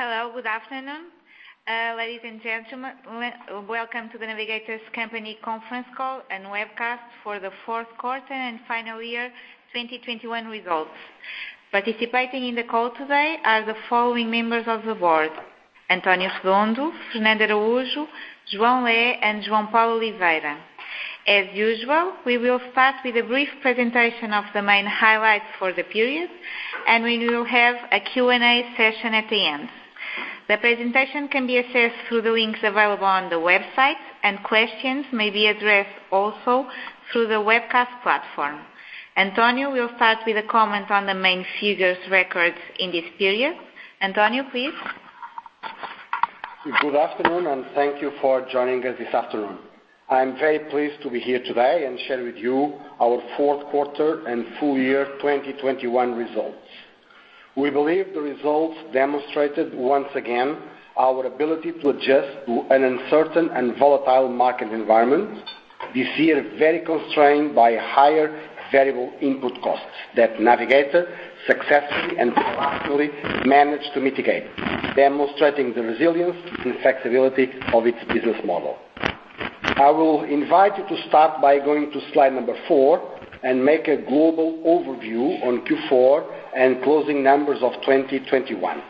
Hello. Good afternoon, ladies and gentlemen. Welcome to The Navigator Company conference call and webcast for the fourth quarter and full year 2021 results. Participating in the call today are the following members of the board: António Redondo, Fernando Araújo, João Lé, and João Paulo Oliveira. As usual, we will start with a brief presentation of the main highlights for the period, and we will have a Q&A session at the end. The presentation can be accessed through the links available on the website, and questions may be addressed also through the webcast platform. António will start with a comment on the main figures recorded in this period. António, please. Good afternoon, and thank you for joining us this afternoon. I am very pleased to be here today and share with you our fourth quarter and full year 2021 results. We believe the results demonstrated, once again, our ability to adjust to an uncertain and volatile market environment this year, very constrained by higher variable input costs that Navigator successfully and proactively managed to mitigate, demonstrating the resilience and flexibility of its business model. I will invite you to start by going to slide number 4 and make a global overview on Q4 and closing numbers of 2021.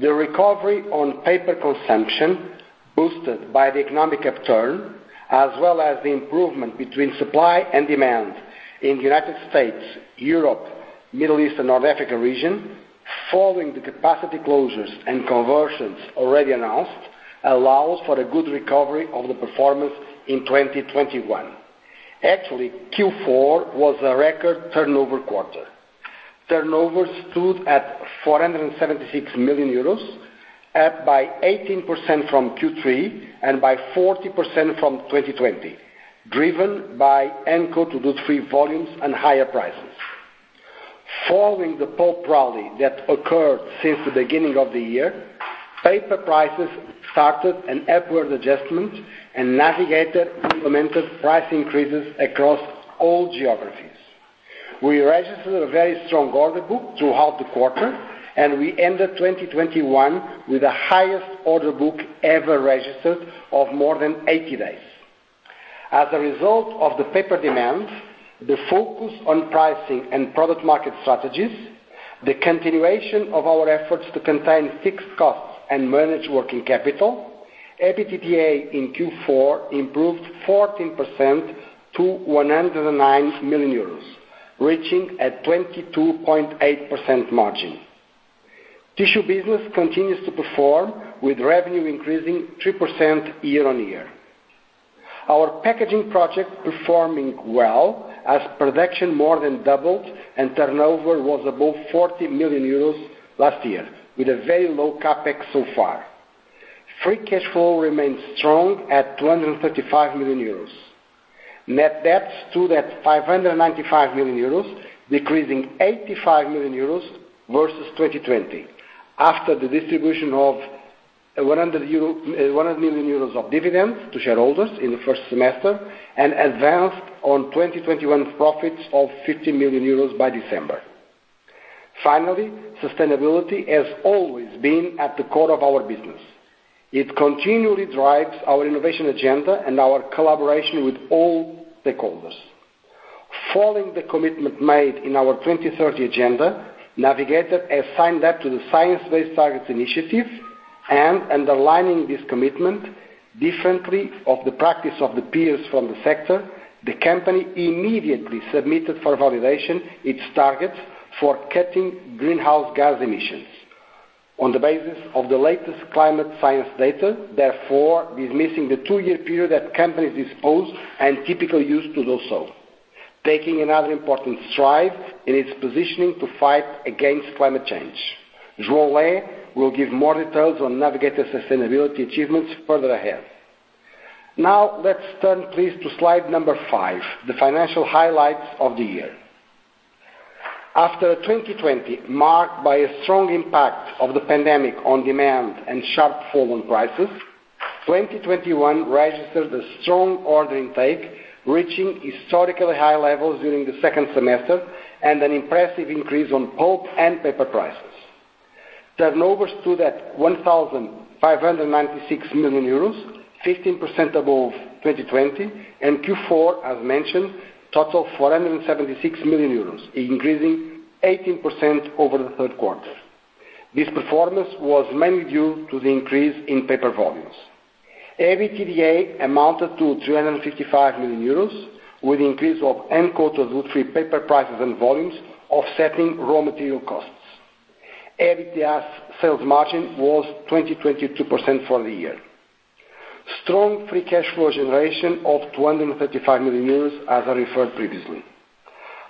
The recovery on paper consumption, boosted by the economic upturn, as well as the improvement between supply and demand in the United States, Europe, Middle East and North Africa region, following the capacity closures and conversions already announced, allows for a good recovery of the performance in 2021. Actually, Q4 was a record turnover quarter. Turnover stood at 476 million euros, up by 18% from Q3 and by 40% from 2020, driven by uncoated wood-free volumes and higher prices. Following the pulp rally that occurred since the beginning of the year, paper prices started an upward adjustment and Navigator implemented price increases across all geographies. We registered a very strong order book throughout the quarter, and we ended 2021 with the highest order book ever registered of more than 80 days. As a result of the paper demand, the focus on pricing and product market strategies, the continuation of our efforts to contain fixed costs and manage working capital, EBITDA in Q4 improved 14% to 109 million euros, reaching a 22.8% margin. Tissue business continues to perform with revenue increasing 3% year-on-year. Our packaging project performing well as production more than doubled and turnover was above 40 million euros last year with a very low CapEx so far. Free cash flow remains strong at 235 million euros. Net debt stood at 595 million euros, decreasing 85 million euros versus 2020, after the distribution of a 100 million euros of dividends to shareholders in the first semester and advanced on 2021 profits of 50 million euros by December. Finally, sustainability has always been at the core of our business. It continually drives our innovation agenda and our collaboration with all stakeholders. Following the commitment made in our 2030 agenda, Navigator has signed up to the Science Based Targets initiative and, underlining this commitment different from the practice of the peers from the sector, the company immediately submitted for validation its targets for cutting greenhouse gas emissions on the basis of the latest climate science data, therefore dismissing the 2-year period that companies have at their disposal and typically use to do so, taking another important stride in its positioning to fight against climate change. João Lé will give more details on Navigator's sustainability achievements further ahead. Now let's turn please to slide number 5, the financial highlights of the year. After 2020 marked by a strong impact of the pandemic on demand and sharp fall on prices, 2021 registered a strong order intake, reaching historically high levels during the second semester and an impressive increase on pulp and paper prices. Turnover stood at 1,596 million euros, 15% above 2020, and Q4, as mentioned, total 476 million euros, increasing 18% over the third quarter. This performance was mainly due to the increase in paper volumes. EBITDA amounted to 355 million euros with increase of uncoated woodfree paper prices and volumes offsetting raw material costs. EBITDA sales margin was 22% for the year. Strong free cash flow generation of 235 million euros, as I referred previously.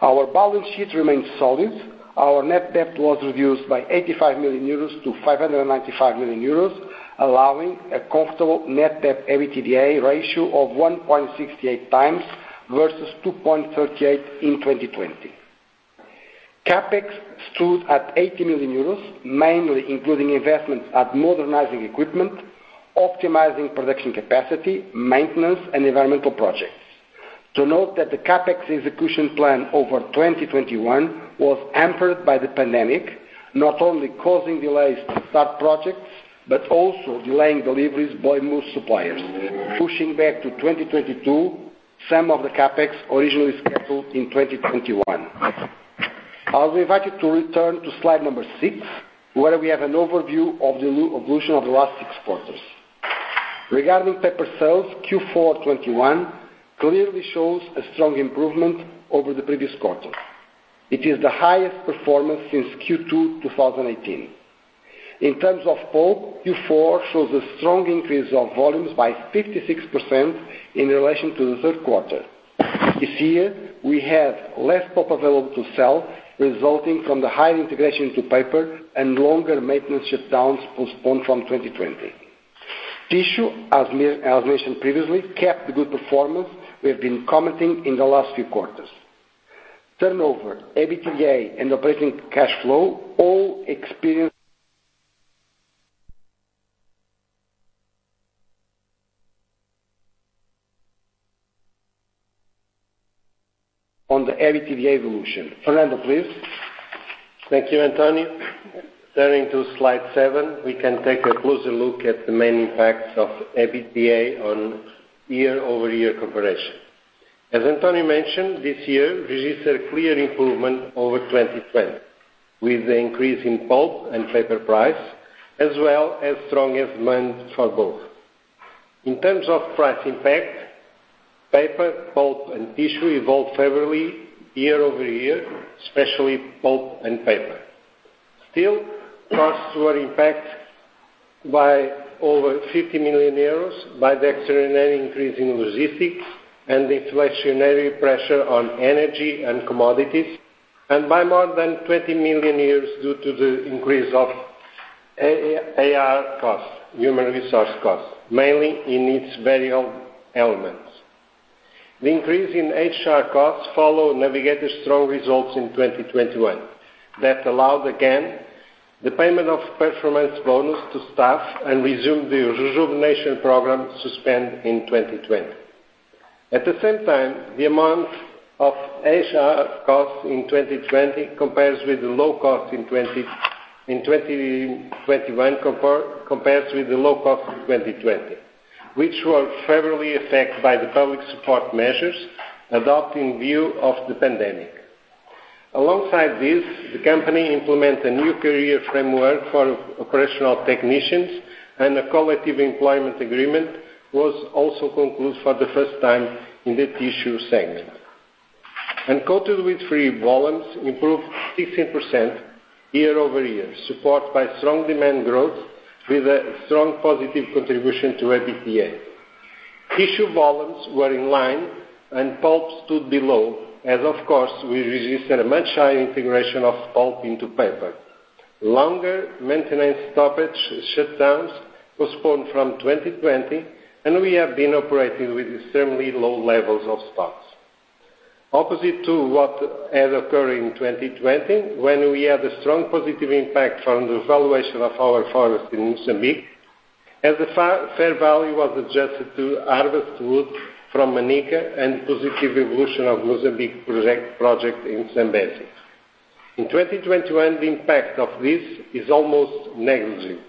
Our balance sheet remains solid. Our net debt was reduced by 85 million euros to 595 million euros, allowing a comfortable net debt EBITDA ratio of 1.68 times versus 2.38 in 2020. CapEx stood at 80 million euros, mainly including investments in modernizing equipment, optimizing production capacity, maintenance, and environmental projects. To note that the CapEx execution plan over 2021 was hampered by the pandemic, not only causing delays to start projects, but also delaying deliveries by most suppliers, pushing back to 2022 some of the CapEx originally scheduled in 2021. I'll invite you to return to slide number six, where we have an overview of the evolution of the last six quarters. Regarding paper sales, Q4 2021 clearly shows a strong improvement over the previous quarter. It is the highest performance since Q2 2018. In terms of pulp, Q4 shows a strong increase of volumes by 56% in relation to the third quarter. This year, we have less pulp available to sell, resulting from the high integration into paper and longer maintenance shutdowns postponed from 2020. Tissue, as mentioned previously, kept the good performance we have been commenting in the last few quarters. Turnover, EBITDA, and operating cash flow all experienced. On the EBITDA evolution. Fernando, please. Thank you, António. Turning to slide 7, we can take a closer look at the main impacts of EBITDA on year-over-year comparison. As António mentioned this year, we registered clear improvement over 2020, with the increase in pulp and paper price, as well as strong demand for both. In terms of price impact, paper, pulp, and tissue evolved favorably year over year, especially pulp and paper. Still, costs were impacted by over 50 million euros by the extraordinary increase in logistics and the inflationary pressure on energy and commodities, and by more than 20 million due to the increase of A&R costs, human resource costs, mainly in its variable elements. The increase in HR costs follow Navigator's strong results in 2021. That allowed, again, the payment of performance bonus to staff and resume the rejuvenation program suspended in 2020. At the same time, the amount of HR costs in 2021 compares with the low cost in 2020, which were favorably affected by the public support measures adopted in view of the pandemic. Alongside this, the company implement a new career framework for operational technicians, and a collective employment agreement was also concluded for the first time in the tissue segment. Uncoated woodfree volumes improved 16% year-over-year, supported by strong demand growth with a strong positive contribution to EBITDA. Tissue volumes were in line and pulp stood below as, of course, we registered a much higher integration of pulp into paper. Longer maintenance stoppage shutdowns postponed from 2020, and we have been operating with extremely low levels of stocks. Opposite to what had occurred in 2020 when we had a strong positive impact from the valuation of our forest in Mozambique, as the fair value was adjusted to harvest wood from Manica and positive evolution of Mozambique project in Zambezia. In 2021, the impact of this is almost negligible.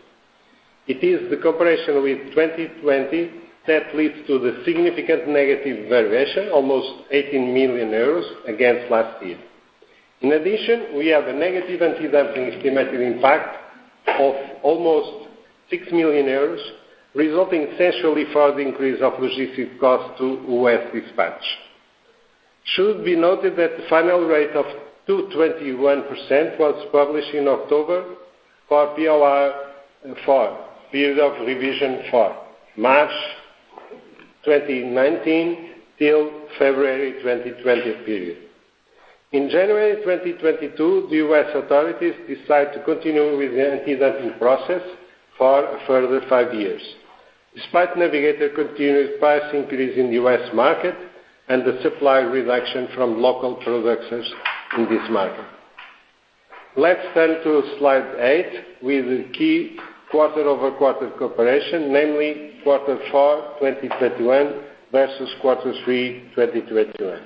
It is the comparison with 2020 that leads to the significant negative valuation, almost 18 million euros against last year. In addition, we have a negative anti-dumping estimated impact of almost 6 million euros, resulting essentially for the increase of logistic cost to U.S. dispatch. It should be noted that the final rate of 2.21% was published in October for POR4, period of revision four, March 2019 till February 2020 period. In January 2022, the U.S. authorities decided to continue with the anti-dumping process for a further five years, despite Navigator continued price increase in the U.S. market and the supply reduction from local producers in this market. Let's turn to slide 8 with the key quarter-over-quarter comparison, namely quarter four, 2021 versus quarter three, 2021.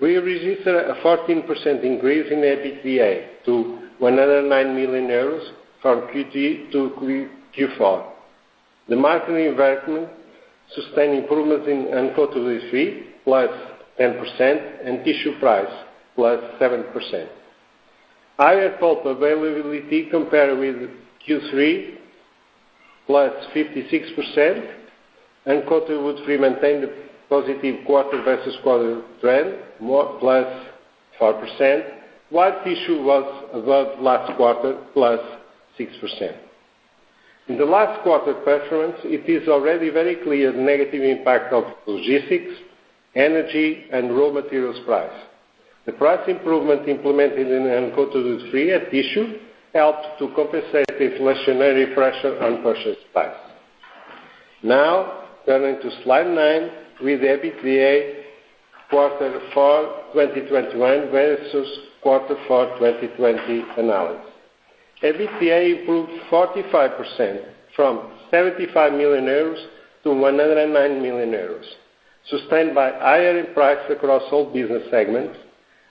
We registered a 14% increase in EBITDA to 109 million euros from Q3 to Q4. The market environment sustained improvements in uncoated wood-free, +10%, and tissue price, +7%. Higher pulp availability compared with Q3, +56%. Uncoated wood-free maintained the positive quarter-over-quarter trend, plus 4%, while tissue was above last quarter, +6%. In the last quarter performance, it is already very clear the negative impact of logistics, energy, and raw materials price. The price improvement implemented in uncoated wood-free and tissue helped to compensate the inflationary pressure on purchase price. Now, turning to slide 9 with EBITDA Q4 2021 versus Q4 2020 analysis. EBITDA improved 45% from 75 million euros to 109 million euros, sustained by higher prices across all business segments,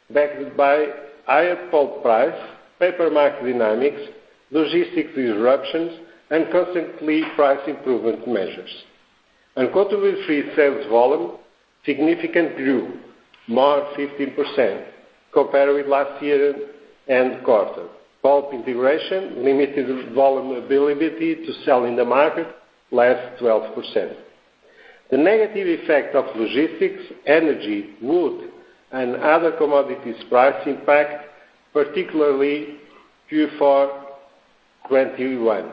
backed by higher pulp prices, paper market dynamics, logistics disruptions, and constant price improvement measures. Uncoated wood-free sales volume significantly grew more 15% compared with last year-end quarter. Pulp integration limited volume ability to sell in the market less 12%. The negative effect of logistics, energy, wood, and other commodities price impact, particularly Q4 2021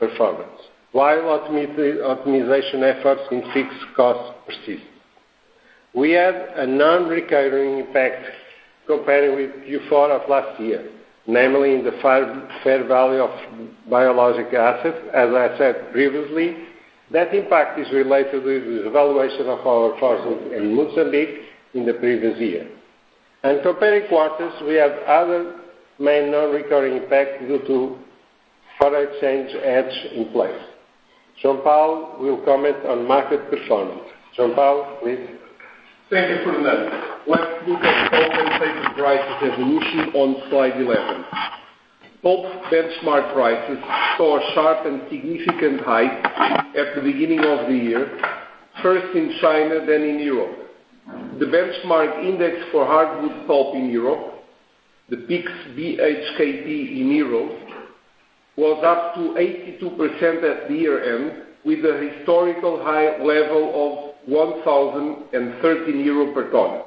performance, while optimization efforts in fixed costs persist. We have a non-recurring impact comparing with Q4 of last year, namely in the fair value of biological assets. As I said previously, that impact is related with the valuation of our forest in Mozambique in the previous year. Comparing quarters, we have other main non-recurring impact due to foreign exchange hedge in place. João Paulo will comment on market performance. João Paulo, please. Thank you, Fernando. Let's look at pulp and paper prices evolution on slide 11. Pulp benchmark prices saw a sharp and significant hike at the beginning of the year, first in China, then in Europe. The benchmark index for hardwood pulp in Europe, the PIX BHKP in EUR, was up 82% at year-end, with a historical high level of 1,013 euro per ton.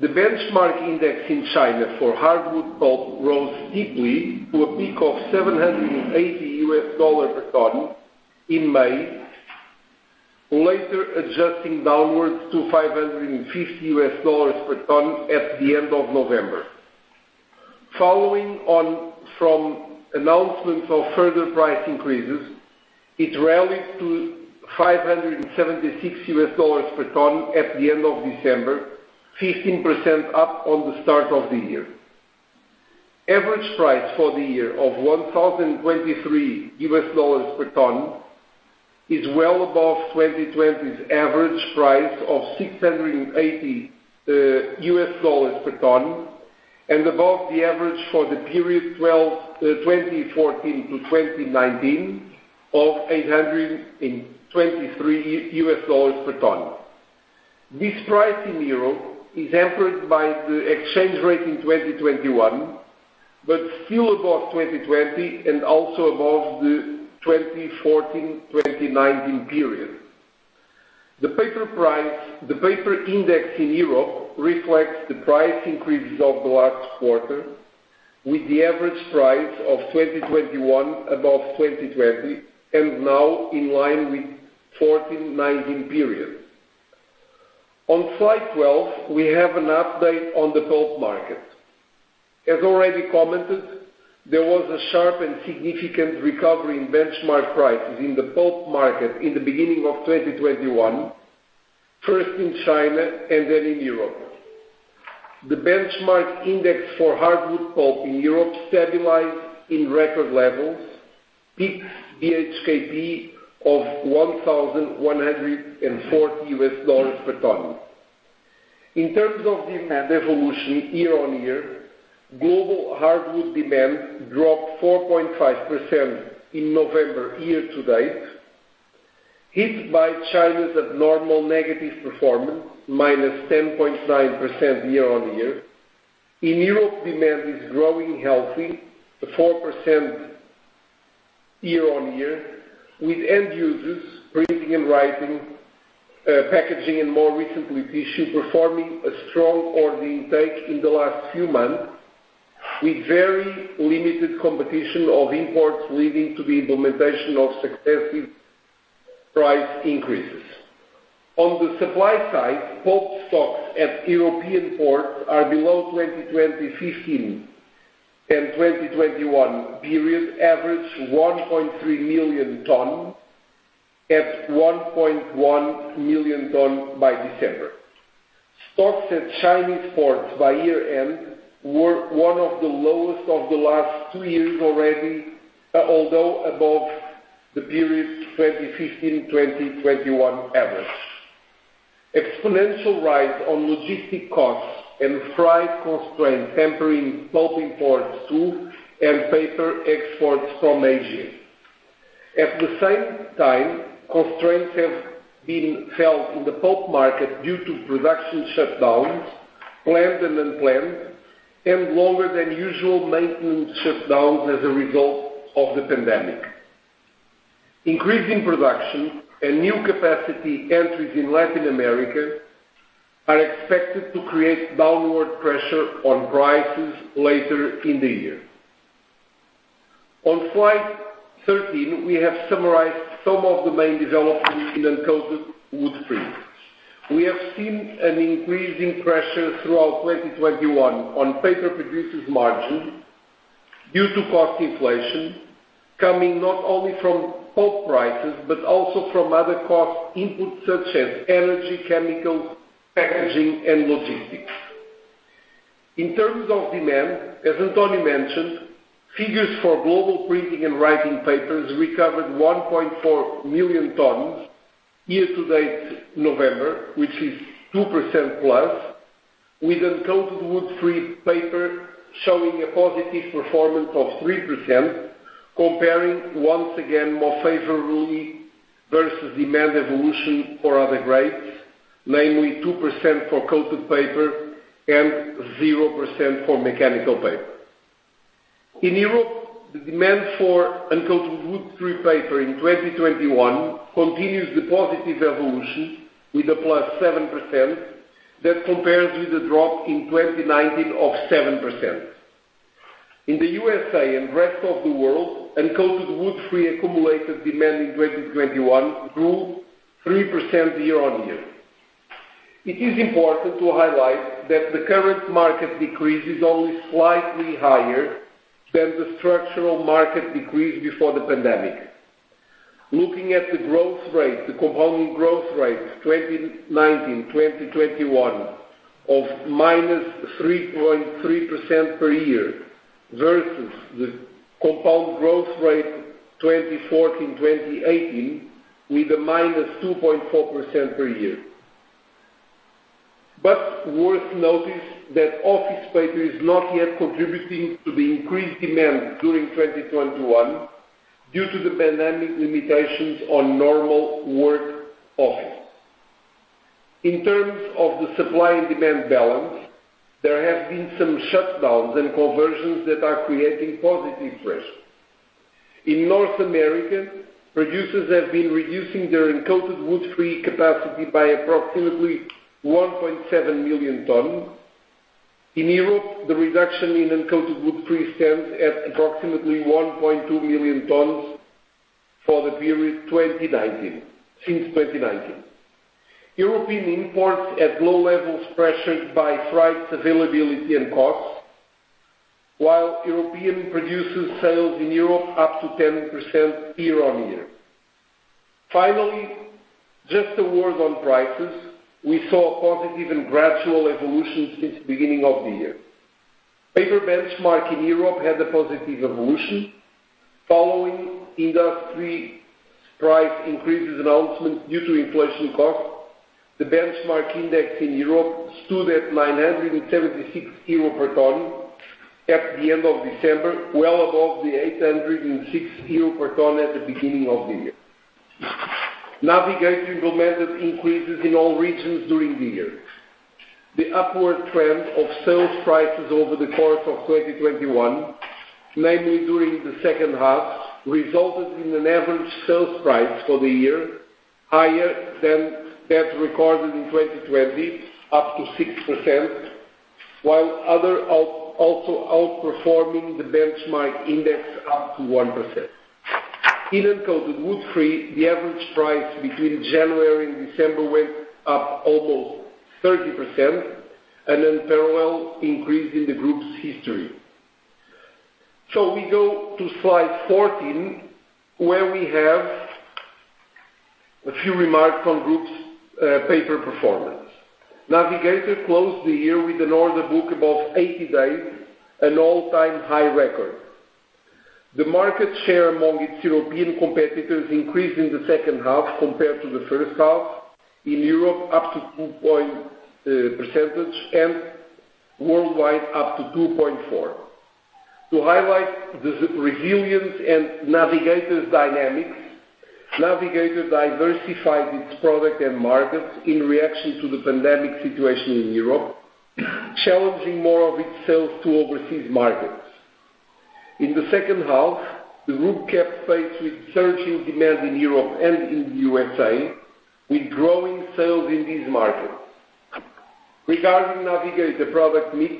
The benchmark index in China for hardwood pulp rose steeply to a peak of $780 per ton in May, later adjusting downwards to $550 per ton at the end of November. Following on from announcements of further price increases, it rallied to $576 per ton at the end of December, 15% up on the start of the year. Average price for the year of $1,023 per ton is well above 2020's average price of $680 per ton, and above the average for the period 2012 to 2019 of $823 per ton. This price in Europe is hampered by the exchange rate in 2021, but still above 2020 and also above the 2014-2019 period. The paper index in Europe reflects the price increases of the last quarter, with the average price of 2021 above 2020, and now in line with 2014-2019 period. On slide 12, we have an update on the pulp market. As already commented, there was a sharp and significant recovery in benchmark prices in the pulp market in the beginning of 2021, first in China and then in Europe. The benchmark index for hardwood pulp in Europe stabilized in record levels, peaking at the BHKP of $1,140 per ton. In terms of demand evolution year-on-year, global hardwood demand dropped 4.5% in November year to date, hit by China's abnormal negative performance, -10.9% year-on-year. In Europe, demand is growing healthy, 4% year-on-year, with end users printing and writing, packaging and more recently tissue performing a strong order intake in the last few months, with very limited competition of imports leading to the implementation of successive price increases. On the supply side, pulp stocks at European ports are below 2015 and 2021 period average 1.3 million tons, at 1.1 million tons by December. Stocks at Chinese ports by year-end were one of the lowest of the last two years already, although above the period 2015-2021 average. Exponential rise in logistics costs and freight constraints hampering pulp imports too, and paper exports from Asia. At the same time, constraints have been felt in the pulp market due to production shutdowns, planned and unplanned, and longer than usual maintenance shutdowns as a result of the pandemic. Increasing production and new capacity entries in Latin America are expected to create downward pressure on prices later in the year. On slide 13, we have summarized some of the main developments in uncoated woodfree. We have seen an increasing pressure throughout 2021 on paper producers' margin due to cost inflation coming not only from pulp prices, but also from other cost inputs such as energy, chemicals, packaging, and logistics. In terms of demand, as Antonio mentioned, figures for global printing and writing papers recovered 1.4 million tons year to date November, which is 2%+, with uncoated wood-free paper showing a positive performance of 3%, comparing once again more favorably versus demand evolution for other grades, namely 2% for coated paper and 0% for mechanical paper. In Europe, the demand for uncoated wood-free paper in 2021 continues the positive evolution with a +7%. That compares with a drop in 2019 of 7%. In the USA and rest of the world, uncoated wood-free accumulated demand in 2021 grew 3% year-on-year. It is important to highlight that the current market decrease is only slightly higher than the structural market decrease before the pandemic. Looking at the growth rate, the compounding growth rate, 2019-2021 of -3.3% per year versus the compound growth rate, 2014-2018, with a -2.4% per year. Worth noting that office paper is not yet contributing to the increased demand during 2021 due to the pandemic limitations on normal office work. In terms of the supply and demand balance, there have been some shutdowns and conversions that are creating positive pressure. In North America, producers have been reducing their uncoated wood-free capacity by approximately 1.7 million tons. In Europe, the reduction in uncoated wood-free stands at approximately 1.2 million tons for the period 2019. European imports at low levels pressured by price availability and costs, while European producers' sales in Europe up to 10% year-on-year. Finally, just a word on prices. We saw a positive and gradual evolution since the beginning of the year. Paper benchmark in Europe had a positive evolution. Following industry price increases announcement due to inflation cost, the benchmark index in Europe stood at 976 euro per ton at the end of December, well above the 806 euro per ton at the beginning of the year. Navigator implemented increases in all regions during the year. The upward trend of sales prices over the course of 2021, namely during the second half, resulted in an average sales price for the year higher than that recorded in 2020, up 6%, while also outperforming the benchmark index up 1%. In uncoated wood-free, the average price between January and December went up almost 30%, an unparalleled increase in the group's history. We go to slide 14, where we have a few remarks on group's paper performance. Navigator closed the year with an order book above 80 days, an all-time high record. The market share among its European competitors increased in the second half compared to the first half in Europe up 2 percentage points and worldwide up 2.4 percentage points. To highlight the resilience and Navigator's dynamics, Navigator diversified its product and markets in reaction to the pandemic situation in Europe, channeling more of its sales to overseas markets. In the second half, the group kept pace with surging demand in Europe and in the USA with growing sales in these markets. Regarding Navigator product mix,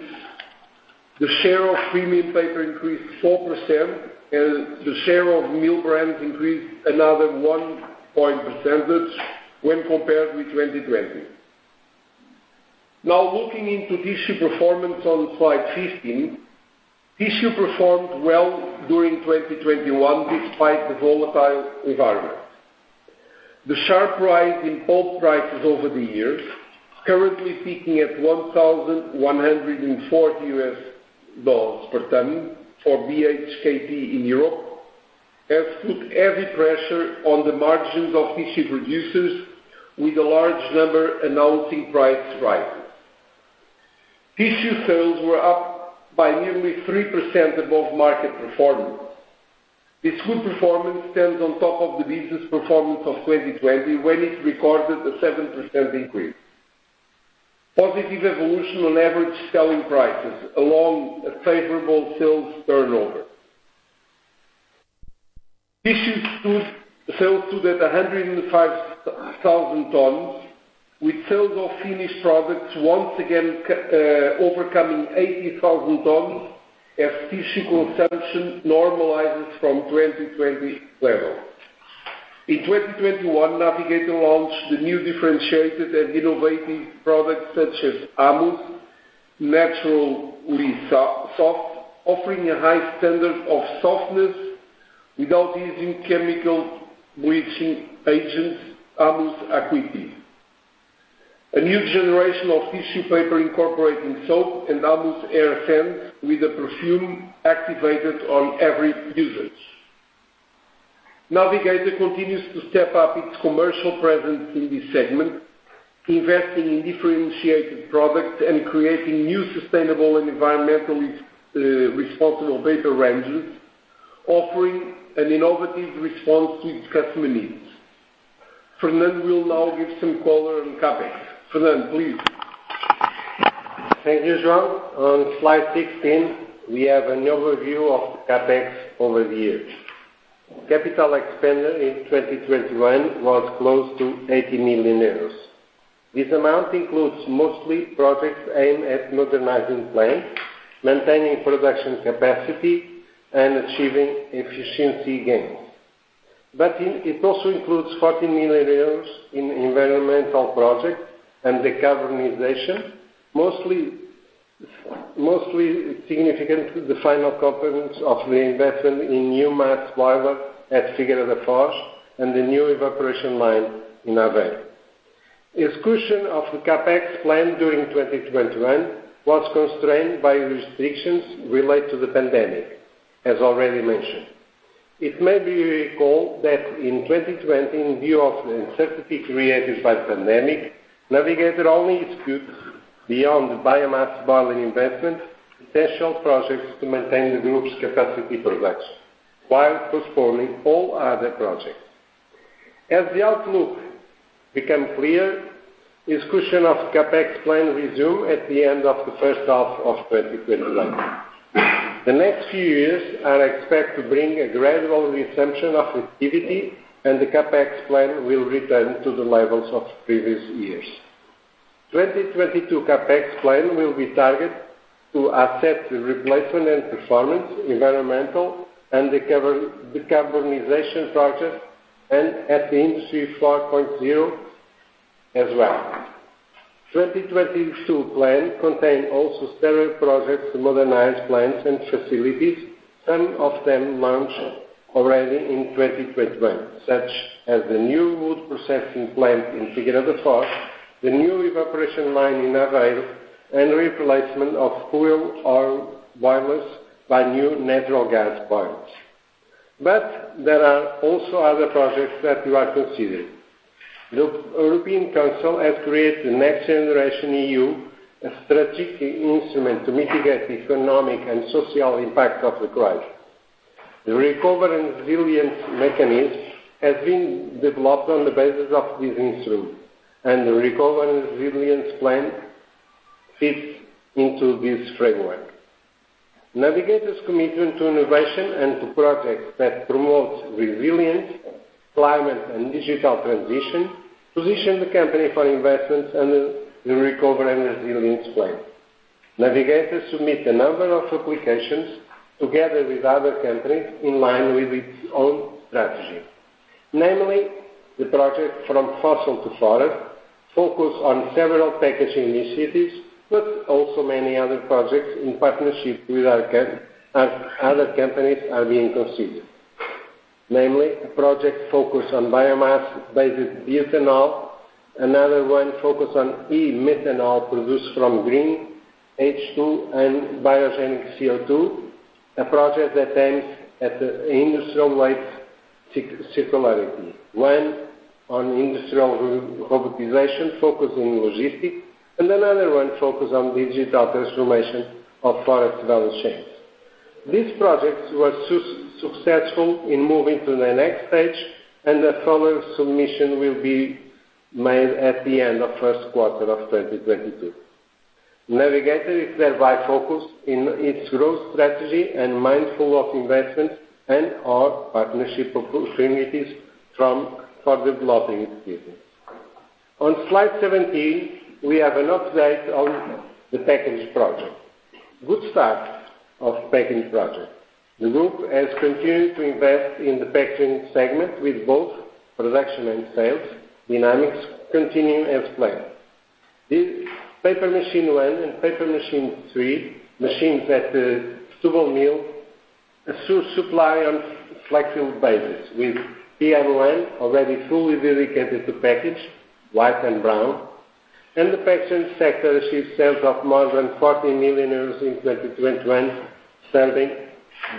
the share of premium paper increased 4%, and the share of mill brands increased another one percentage point when compared with 2020. Now, looking into tissue performance on slide 15. Tissue performed well during 2021 despite the volatile environment. The sharp rise in pulp prices over the years, currently peaking at $1,140 per ton for BHKP in Europe, has put heavy pressure on the margins of tissue producers with a large number announcing price rises. Tissue sales were up by nearly 3% above market performance. This good performance stands on top of the business performance of 2020 when it recorded a 7% increase. Positive evolution on average selling prices along a favorable sales turnover. Tissue sales stood at 105,000 tons, with sales of finished products once again overcoming 80,000 tons as tissue consumption normalizes from 2020 levels. In 2021, Navigator launched the new differentiated and innovative products such as Amoos Naturally Soft, offering a high standard of softness without using chemical bleaching agents, Amoos Aqua Active, a new generation of tissue paper incorporating soap, and Amoos Air Sense with a perfume activated on every usage. Navigator continues to step up its commercial presence in this segment, investing in differentiated products and creating new sustainable and environmentally responsible paper ranges, offering an innovative response to its customer needs. Fernando will now give some color on CapEx. Fernando, please. Thank you, João. On slide 16, we have an overview of the CapEx over the years. Capital expenditure in 2021 was close to 80 million euros. This amount includes mostly projects aimed at modernizing plants, maintaining production capacity, and achieving efficiency gains. It also includes 40 million euros in environmental projects and decarbonization, most significant the final components of the investment in new biomass boiler at Figueira da Foz and the new evaporation line in Aveiro. Execution of the CapEx plan during 2021 was constrained by restrictions related to the pandemic, as already mentioned. It may be recalled that in 2020, in view of the uncertainty created by the pandemic, Navigator only executed, beyond the biomass boiler investment, potential projects to maintain the group's capacity to produce, while postponing all other projects. As the outlook became clear, execution of the CapEx plan resumed at the end of the first half of 2021. The next few years are expected to bring a gradual resumption of activity, and the CapEx plan will return to the levels of previous years. The 2022 CapEx plan will be targeted to asset replacement and performance, environmental, and decarbonization projects, and at Industry 4.0 as well. The 2022 plan contains also several projects to modernize plants and facilities, some of them launched already in 2021, such as the new wood processing plant in Figueira da Foz, the new evaporation line in Aveiro, and replacement of fuel oil boilers by new natural gas boilers. There are also other projects that we are considering. The European Council has created the NextGenerationEU, a strategic instrument to mitigate the economic and social impact of the crisis. The Recovery and Resilience Facility has been developed on the basis of this instrument, and the Recovery and Resilience Plan fits into this framework. Navigator's commitment to innovation and to projects that promote resilience, climate, and digital transition position the company for investments under the Recovery and Resilience Plan. Navigator submit a number of applications together with other companies in line with its own strategy. Namely, the project From Fossil to Forest focus on several packaging initiatives, but also many other projects in partnership with our counterparts as other companies are being considered. Namely, a project focused on biomass-based bioethanol, another one focused on e-methanol produced from green H2 and biogenic CO2, a project that aims at the industrial waste circularity, one on industrial robotization focused on logistics, and another one focused on digital transformation of forest value chains. These projects were successful in moving to the next stage, and a further submission will be made at the end of first quarter of 2022. Navigator is thereby focused in its growth strategy and mindful of investment and/or partnership opportunities for developing its business. On slide 17, we have an update on the package project. Good start of package project. The group has continued to invest in the packaging segment with both production and sales dynamics continuing as planned. The paper machine 1 and paper machine 3 machines at the Esposende mill are supplied on flexible basis, with PM1 already fully dedicated to package, white and brown. The packaging sector achieved sales of more than 40 million euros in 2021, serving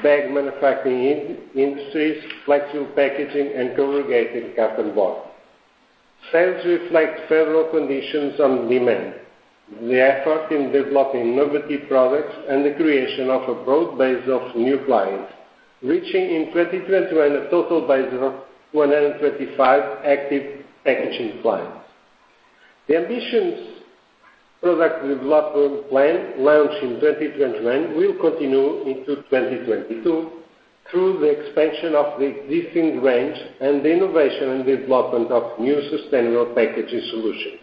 bag manufacturing industries, flexible packaging, and corrugated carton box. Sales reflect favorable conditions on demand, the effort in developing innovative products, and the creation of a broad base of new clients, reaching in 2021 a total base of 125 active packaging clients. The ambitious product development plan launched in 2021 will continue into 2022 through the expansion of the existing range and the innovation and development of new sustainable packaging solutions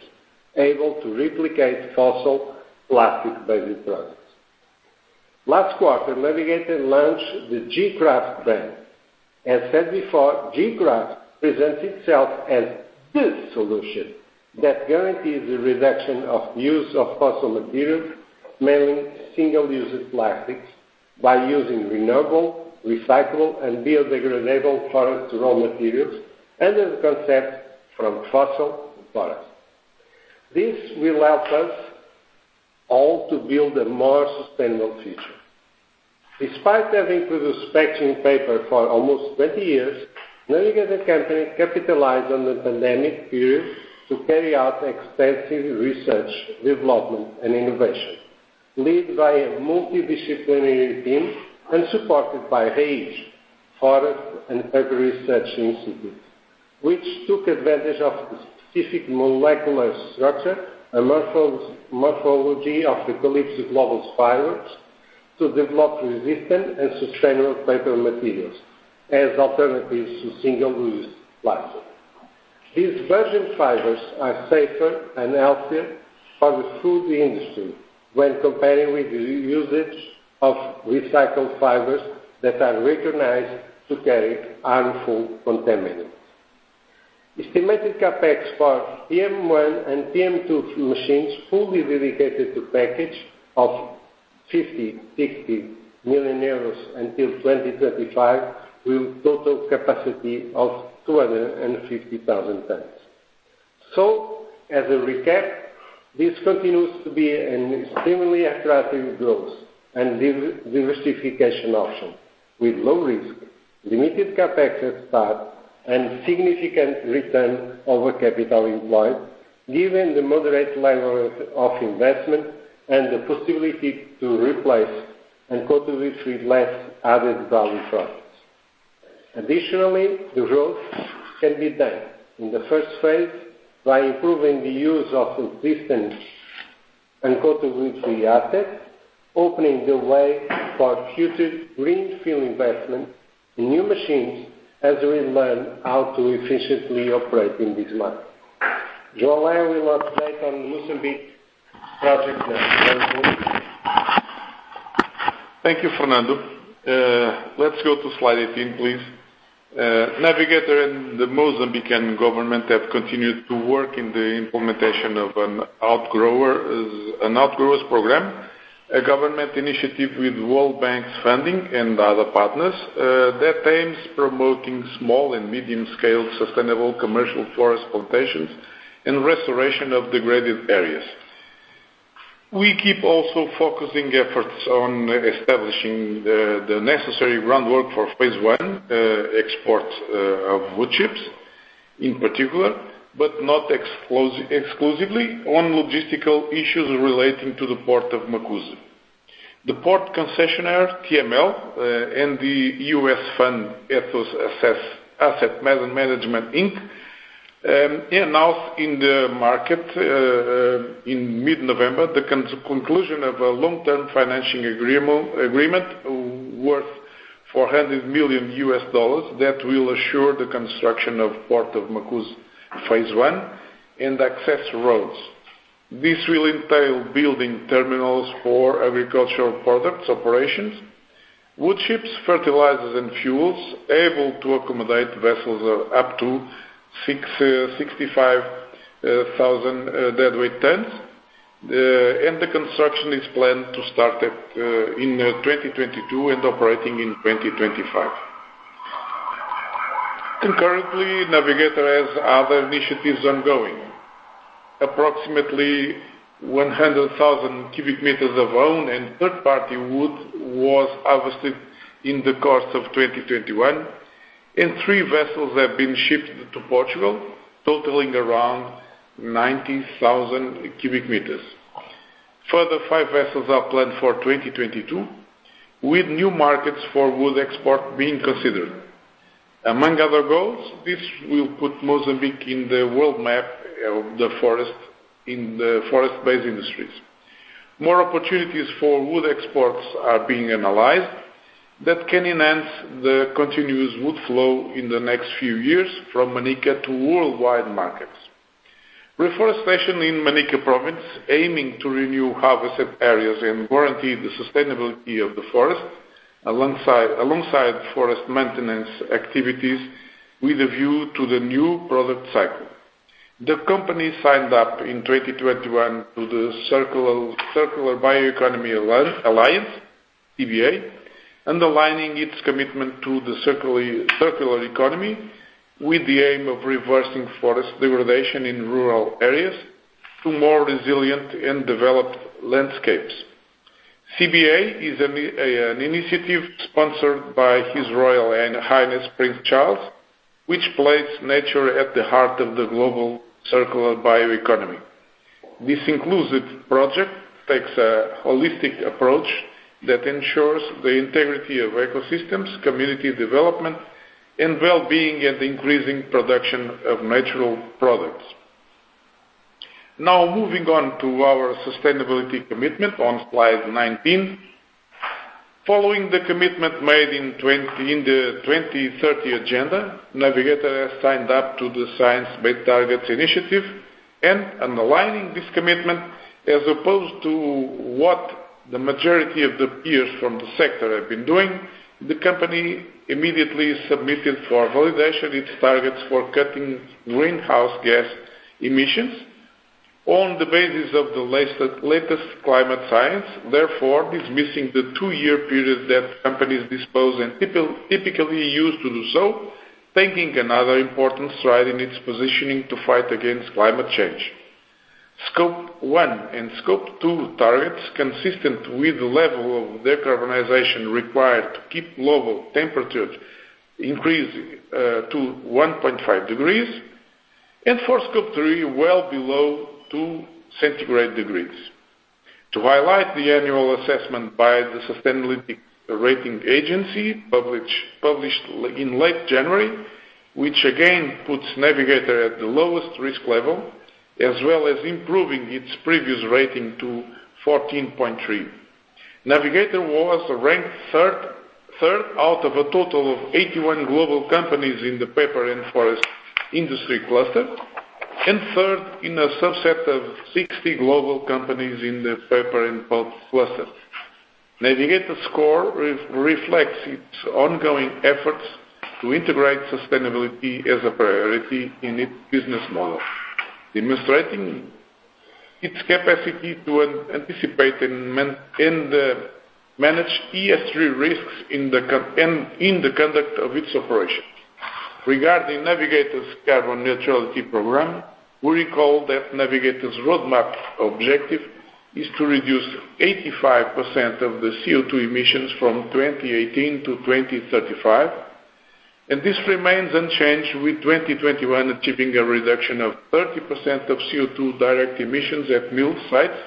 able to replicate fossil plastic-based products. Last quarter, Navigator launched the gKraft brand. As said before, gKraft presents itself as the solution that guarantees the reduction of use of fossil materials, mainly single-use plastics, by using renewable, recyclable, and biodegradable product raw materials under the concept from fossil to forest. This will help us all to build a more sustainable future. Despite having produced packaging paper for almost 20 years, The Navigator Company capitalized on the pandemic period to carry out extensive research, development, and innovation, led by a multidisciplinary team and supported by RAIZ Forest and Paper Research Institute, which took advantage of the specific molecular structure and morphology of Eucalyptus globulus fibers to develop resistant and sustainable paper materials as alternatives to single-use plastic. These virgin fibers are safer and healthier for the food industry when comparing with the usage of recycled fibers that are recognized to carry harmful contaminants. Estimated CapEx for PM one and PM two machines fully dedicated to packaging of EUR 50-60 million until 2025, with total capacity of 250,000 tons. As a recap, this continues to be an extremely attractive growth and diversification option with low risk, limited CapEx at start, and significant return over capital employed, given the moderate level of investment and the possibility to replace uncoated wood-free less added value products. Additionally, the growth can be done in the first phase by improving the use of existing uncoated wood-free assets, opening the way for future greenfield investment in new machines as we learn how to efficiently operate in this market. João Lé will update on the Mozambique project now. João? Thank you, Fernando. Let's go to slide 18, please. Navigator and the Mozambican government have continued to work in the implementation of an outgrowers program, a government initiative with World Bank's funding and other partners that aims promoting small and medium-scale sustainable commercial forest plantations and restoration of degraded areas. We keep also focusing efforts on establishing the necessary groundwork for phase one export of wood chips, in particular, but not exclusively on logistical issues relating to the Port of Macuse. The port concessionaire, TML, and the U.S. fund, Ethos Asset Management Inc., announced in the market in mid-November the conclusion of a long-term financing agreement worth $400 million that will assure the construction of Port of Macuse phase one and access roads. This will entail building terminals for agricultural products operations, wood chips, fertilizers, and fuels able to accommodate vessels of up to 65,000 deadweight tons. The construction is planned to start in 2022 and operating in 2025. Concurrently, Navigator has other initiatives ongoing. Approximately 100,000 cubic meters of own and third-party wood was harvested in the course of 2021, and three vessels have been shipped to Portugal, totaling around 90,000 cubic meters. Five vessels are planned for 2022, with new markets for wood export being considered. Among other goals, this will put Mozambique in the world map of the forest, in the forest-based industries. More opportunities for wood exports are being analyzed that can enhance the continuous wood flow in the next few years from Manica to worldwide markets. Reforestation in Manica province, aiming to renew harvested areas and guarantee the sustainability of the forest alongside forest maintenance activities with a view to the new product cycle. The company signed up in 2021 to the Circular Bioeconomy Alliance, CBA, underlining its commitment to the circular economy with the aim of reversing forest degradation in rural areas to more resilient and developed landscapes. CBA is an initiative sponsored by His Royal Highness Prince Charles, which places nature at the heart of the global circular bioeconomy. This inclusive project takes a holistic approach that ensures the integrity of ecosystems, community development, and well-being, and increasing production of natural products. Now, moving on to our sustainability commitment on slide 19. Following the commitment made in the 2030 agenda, Navigator has signed up to the Science Based Targets initiative, and underlining this commitment, as opposed to what the majority of the peers from the sector have been doing, the company immediately submitted for validation its targets for cutting greenhouse gas emissions on the basis of the latest climate science, therefore dismissing the two-year period that companies typically use to do so, taking another important stride in its positioning to fight against climate change. Scope 1 and Scope 2 targets consistent with the level of decarbonization required to keep global temperatures increased to 1.5 degrees, and for Scope 3, well below 2 centigrade degrees. To highlight the annual assessment by the Sustainalytics rating agency, published in late January, which again puts Navigator at the lowest risk level, as well as improving its previous rating to 14.3. Navigator was ranked third out of a total of 81 global companies in the paper and forest industry cluster, and third in a subset of 60 global companies in the paper and pulp cluster. Navigator's score reflects its ongoing efforts to integrate sustainability as a priority in its business model, demonstrating its capacity to anticipate and manage ESG risks in the conduct of its operations. Regarding Navigator's carbon neutrality program, we recall that Navigator's roadmap objective is to reduce 85% of the CO2 emissions from 2018 to 2035, and this remains unchanged with 2021 achieving a reduction of 30% of CO2 direct emissions at mill sites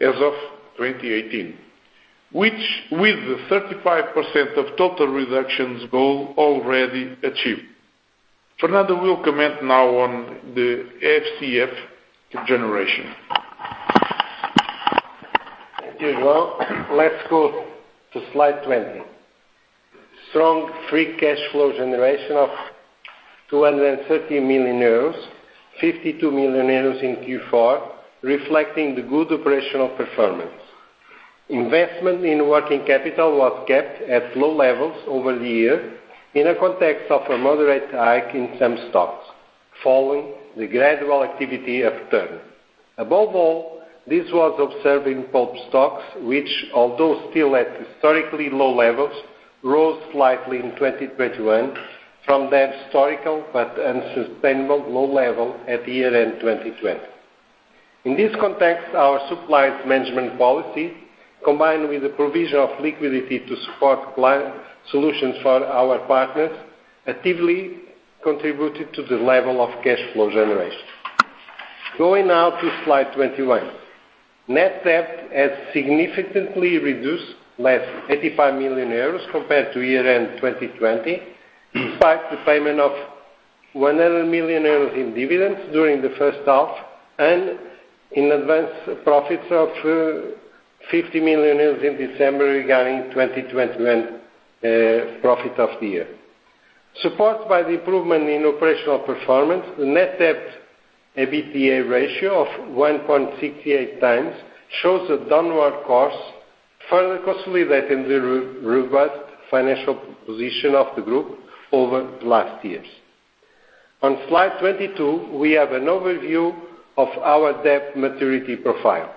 as of 2018, which with the 35% of total reductions goal already achieved. Fernando will comment now on the FCF generation. Thank you, João. Let's go to slide 20. Strong free cash flow generation of 230 million euros, 52 million euros in Q4, reflecting the good operational performance. Investment in working capital was kept at low levels over the year in a context of a moderate hike in some stocks following the gradual activity upturn. Above all, this was observed in pulp stocks, which although still at historically low levels, rose slightly in 2021 from their historical but unsustainable low level at year-end 2020. In this context, our supplies management policy, combined with the provision of liquidity to support client solutions for our partners, actively contributed to the level of cash flow generation. Going now to slide 21. Net debt has significantly reduced by 85 million euros compared to year-end 2020, despite the payment of 100 million euros in dividends during the first half and in advance profits of 50 million euros in December regarding 2021 profit of the year. Supported by the improvement in operational performance, the net debt, EBITDA ratio of 1.68 times, shows a downward course, further consolidating the robust financial position of the group over the last years. On slide 22, we have an overview of our debt maturity profile.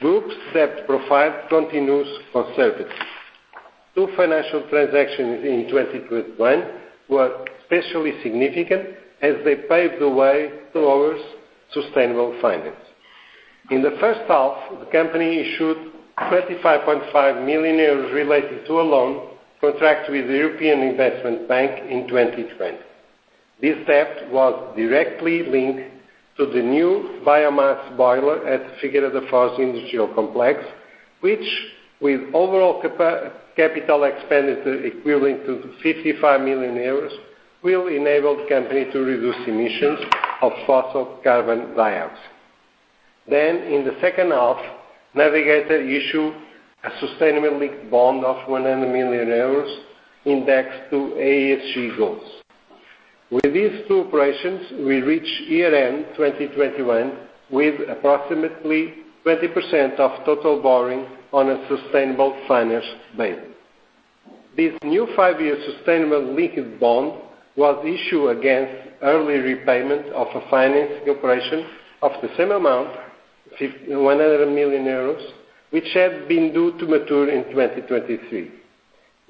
Group's debt profile continues conservative. Two financial transactions in 2021 were especially significant as they paved the way to lower sustainable finance. In the first half, the company issued 25.5 million euros related to a loan contract with the European Investment Bank in 2020. This debt was directly linked to the new biomass boiler at Figueira da Foz industrial complex, which with overall capital expenditure equivalent to 55 million euros, will enable the company to reduce emissions of fossil carbon dioxide. In the second half, Navigator issued a sustainable linked bond of 100 million euros indexed to ESG goals. With these two operations, we reach year-end 2021 with approximately 20% of total borrowing on a sustainable finance basis. This new five-year sustainable linked bond was issued against early repayment of a financing operation of the same amount, one hundred million euros, which had been due to mature in 2023.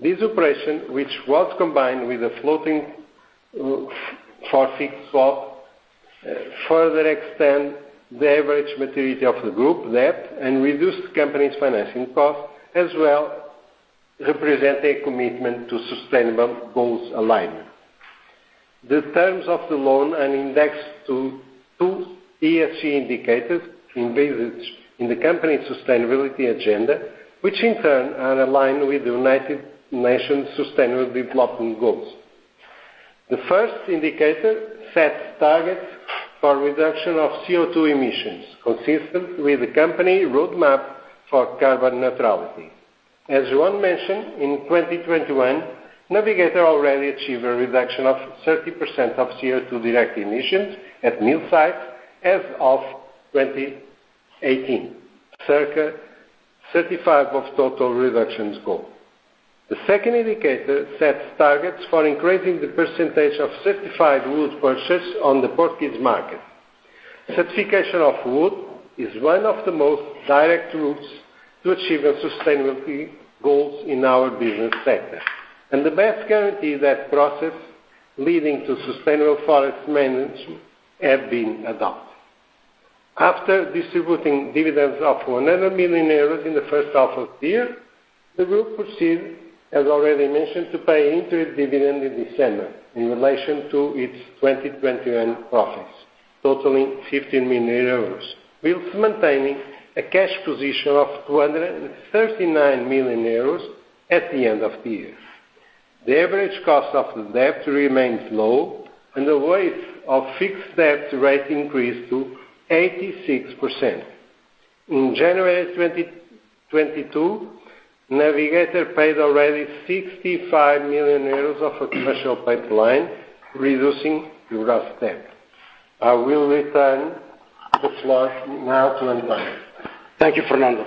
This operation, which was combined with a floating for fixed swap, further extend the average maturity of the group debt and reduced the company's financing cost, as well representing a commitment to sustainable goals alignment. The terms of the loan are indexed to two ESG indicators embedded in the company's sustainability agenda, which in turn are aligned with the United Nations Sustainable Development Goals. The first indicator sets targets for reduction of CO₂ emissions consistent with the company roadmap for carbon neutrality. As João mentioned, in 2021, Navigator already achieved a reduction of 30% of CO₂ direct emissions at mill site as of 2018, circa 35% of total reduction goal. The second indicator sets targets for increasing the percentage of certified wood purchase on the Portuguese market. Certification of wood is one of the most direct routes to achieve the sustainability goals in our business sector, and the best guarantee that processes leading to sustainable forest management have been adopted. After distributing dividends of 100 million euros in the first half of the year, the group proceed, as already mentioned, to pay interim dividend in December in relation to its 2021 profits totaling 15 million euros, while maintaining a cash position of 239 million euros at the end of the year. The average cost of the debt remains low and the weight of fixed-rate debt increased to 86%. In January 2022, Navigator paid already 65 million euros of commercial paper, reducing gross debt. I will return the floor now to António Redondo. Thank you, Fernando.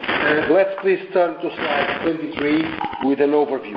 Let's please turn to slide 23 with an overview.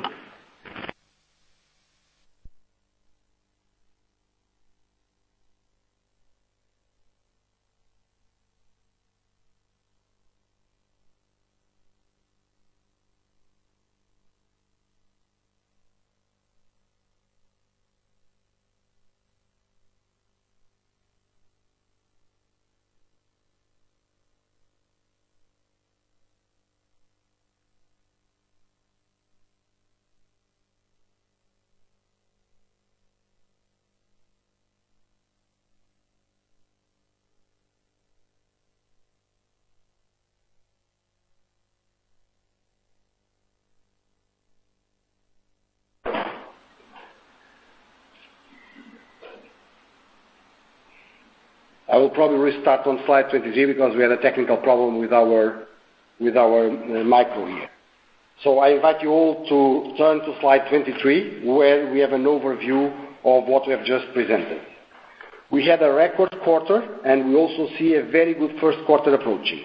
I will probably restart on slide 23 because we had a technical problem with our mic here. I invite you all to turn to slide 23, where we have an overview of what we have just presented. We had a record quarter, and we also see a very good first quarter approaching.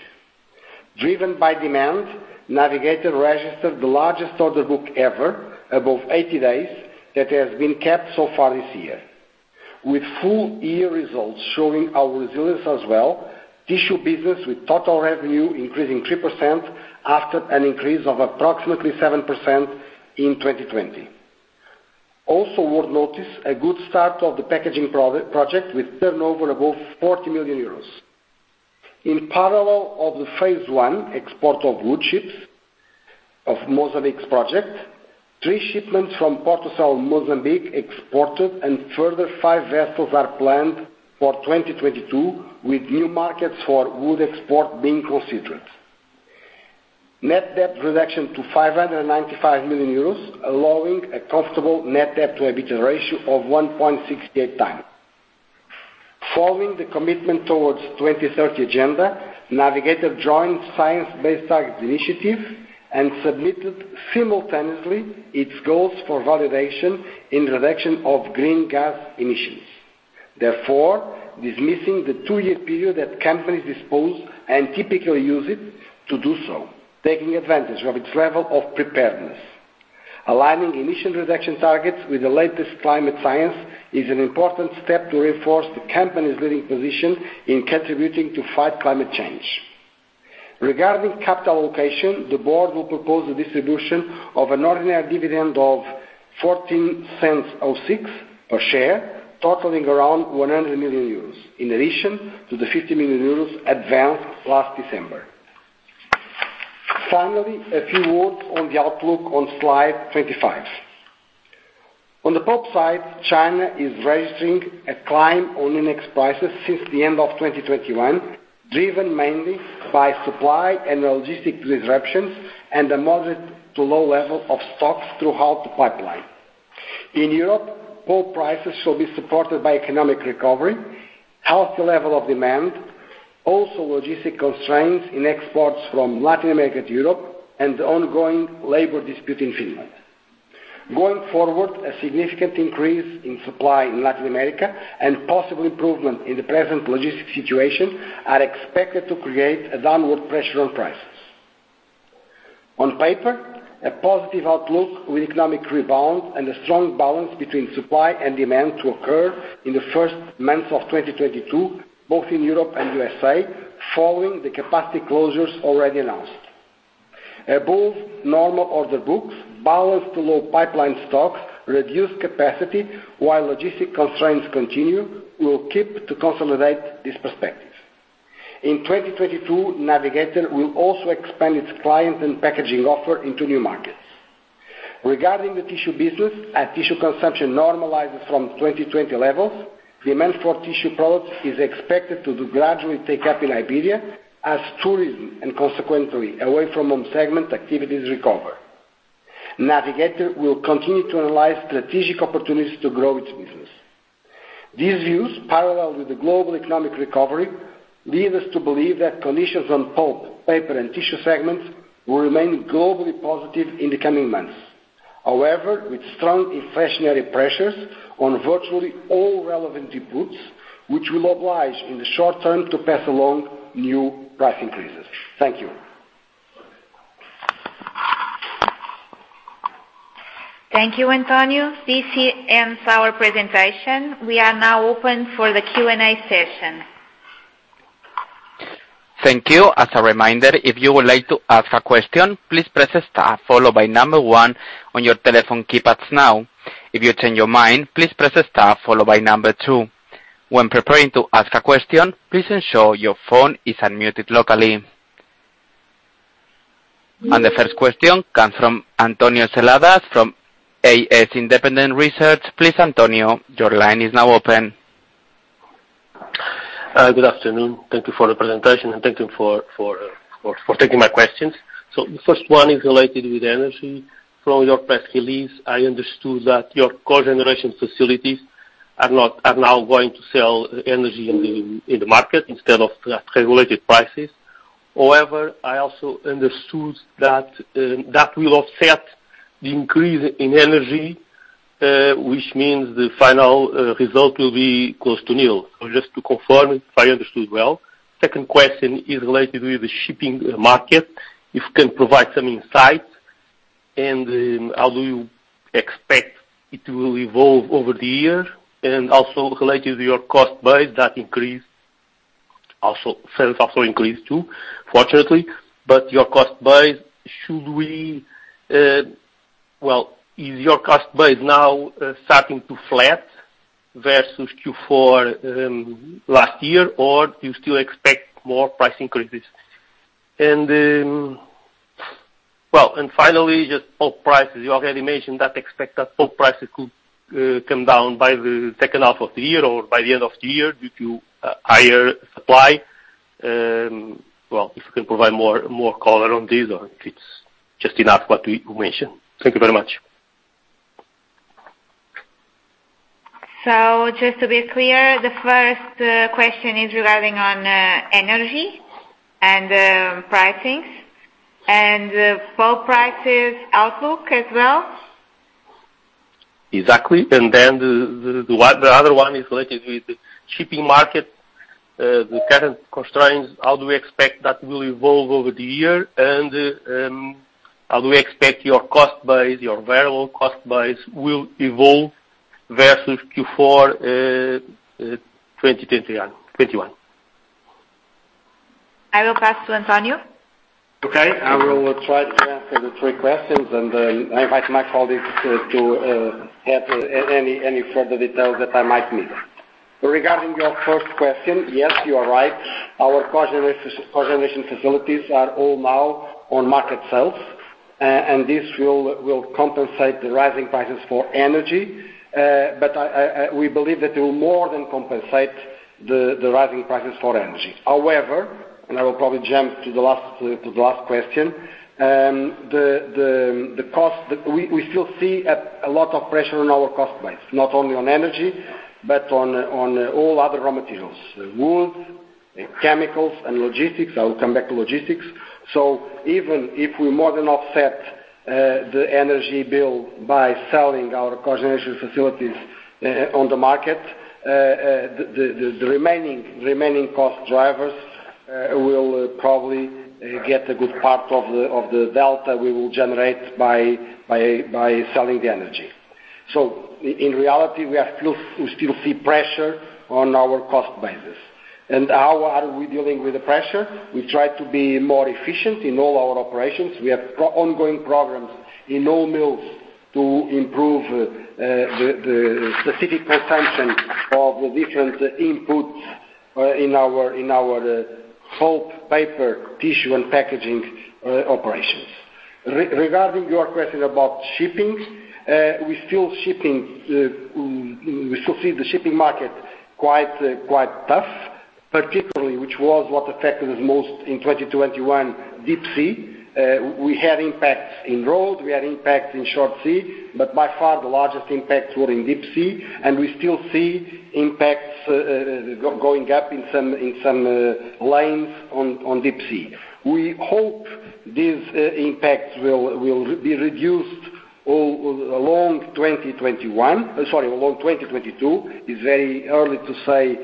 Driven by demand, Navigator registered the largest order book ever above 80 days that has been kept so far this year. With full year results showing our resilience as well, tissue business with total revenue increasing 3% after an increase of approximately 7% in 2020. Also worth noting, a good start of the packaging pro-project with turnover above 40 million euros. In parallel of the phase one export of wood chips of Mozambique's project, 3 shipments from Portucel Moçambique exported and further 5 vessels are planned for 2022, with new markets for wood export being considered. Net debt reduction to 595 million euros, allowing a comfortable net debt to EBITDA ratio of 1.68 times. Following the commitment towards 2030 agenda, Navigator joined Science Based Targets initiative and submitted simultaneously its goals for validation in reduction of greenhouse gas emissions. Dismissing the 2-year period that companies have at their disposal and typically use it to do so, taking advantage of its level of preparedness. Aligning emission reduction targets with the latest climate science is an important step to reinforce the company's leading position in contributing to fight climate change. Regarding capital allocation, the board will propose a distribution of an ordinary dividend of 0.1406 per share, totaling around 100 million euros, in addition to the 50 million euros advanced last December. Finally, a few words on the outlook on slide 25. On the pulp side, China is registering a climb on index prices since the end of 2021, driven mainly by supply and logistics disruptions and a moderate to low level of stocks throughout the pipeline. In Europe, pulp prices shall be supported by economic recovery, healthy level of demand, also logistical constraints in exports from Latin America to Europe, and the ongoing labor dispute in Finland. Going forward, a significant increase in supply in Latin America and possible improvement in the present logistics situation are expected to create a downward pressure on prices. On paper, a positive outlook with economic rebound and a strong balance between supply and demand to occur in the first months of 2022, both in Europe and U.S., following the capacity closures already announced. Above normal order books, balanced-to-low pipeline stocks, reduced capacity while logistics constraints continue will help consolidate this perspective. In 2022, Navigator will also expand its client and packaging offer into new markets. Regarding the tissue business, as tissue consumption normalizes from 2020 levels, demand for tissue products is expected to gradually pick up in Iberia as tourism and consequently away-from-home segment activities recover. Navigator will continue to analyze strategic opportunities to grow its business. These views, parallel with the global economic recovery, lead us to believe that conditions on pulp, paper, and tissue segments will remain globally positive in the coming months. However, with strong inflationary pressures on virtually all relevant inputs, which will oblige in the short term to pass along new price increases. Thank you. Thank you, António. This here ends our presentation. We are now open for the Q&A session. Thank you. As a reminder, if you would like to ask a question, please press star followed by 1 on your telephone keypads now. If you change your mind, please press star followed by 2. When preparing to ask a question, please ensure your phone is unmuted locally. The first question comes from António Seladas from AS Independent Research. Please, António, your line is now open. Good afternoon. Thank you for the presentation and thank you for taking my questions. The first one is related with energy. From your press release, I understood that your cogeneration facilities are now going to sell energy in the market instead of at regulated prices. However, I also understood that that will offset the increase in energy, which means the final result will be close to nil. Just to confirm if I understood well. Second question is related with the shipping market. If you can provide some insight, and how do you expect it will evolve over the year? Also related to your cost base, that increase also sales also increased too, fortunately. But your cost base, should we... Well, is your cost base now starting to flatten versus Q4 last year, or do you still expect more price increases? Finally, just pulp prices. You already mentioned that you expect pulp prices could come down by the second half of the year or by the end of the year due to higher supply. If you can provide more color on this, or if it's just enough with what you mentioned. Thank you very much. Just to be clear, the first question is regarding on energy and pricing, and pulp prices outlook as well? Exactly. Then the other one is related with the shipping market, the current constraints, how do we expect that will evolve over the year? How do we expect your cost base, your variable cost base will evolve versus Q4, 2021? I will pass to Antonio. Okay. I will try to answer the three questions, and I invite my colleagues to add any further details that I might miss. Regarding your first question, yes, you are right. Our cogeneration facilities are all now on market sales, and this will compensate the rising prices for energy. But we believe that it will more than compensate the rising prices for energy. However, and I will probably jump to the last question, we still see a lot of pressure on our cost base, not only on energy, but on all other raw materials, wood, chemicals, and logistics. I will come back to logistics. Even if we more than offset the energy bill by selling our cogeneration facilities on the market, the remaining cost drivers will probably get a good part of the delta we will generate by selling the energy. In reality, we still see pressure on our cost basis. How are we dealing with the pressure? We try to be more efficient in all our operations. We have ongoing programs in all mills to improve the specific consumption of the different inputs in our pulp, paper, tissue, and packaging operations. Regarding your question about shipping, we still see the shipping market quite tough, particularly which was what affected us most in 2021, deep sea. We had impacts in road, we had impacts in short sea, but by far the largest impacts were in deep sea, and we still see impacts going up in some lines on deep sea. We hope these impacts will be reduced all along 2021. Sorry, along 2022. It's very early to say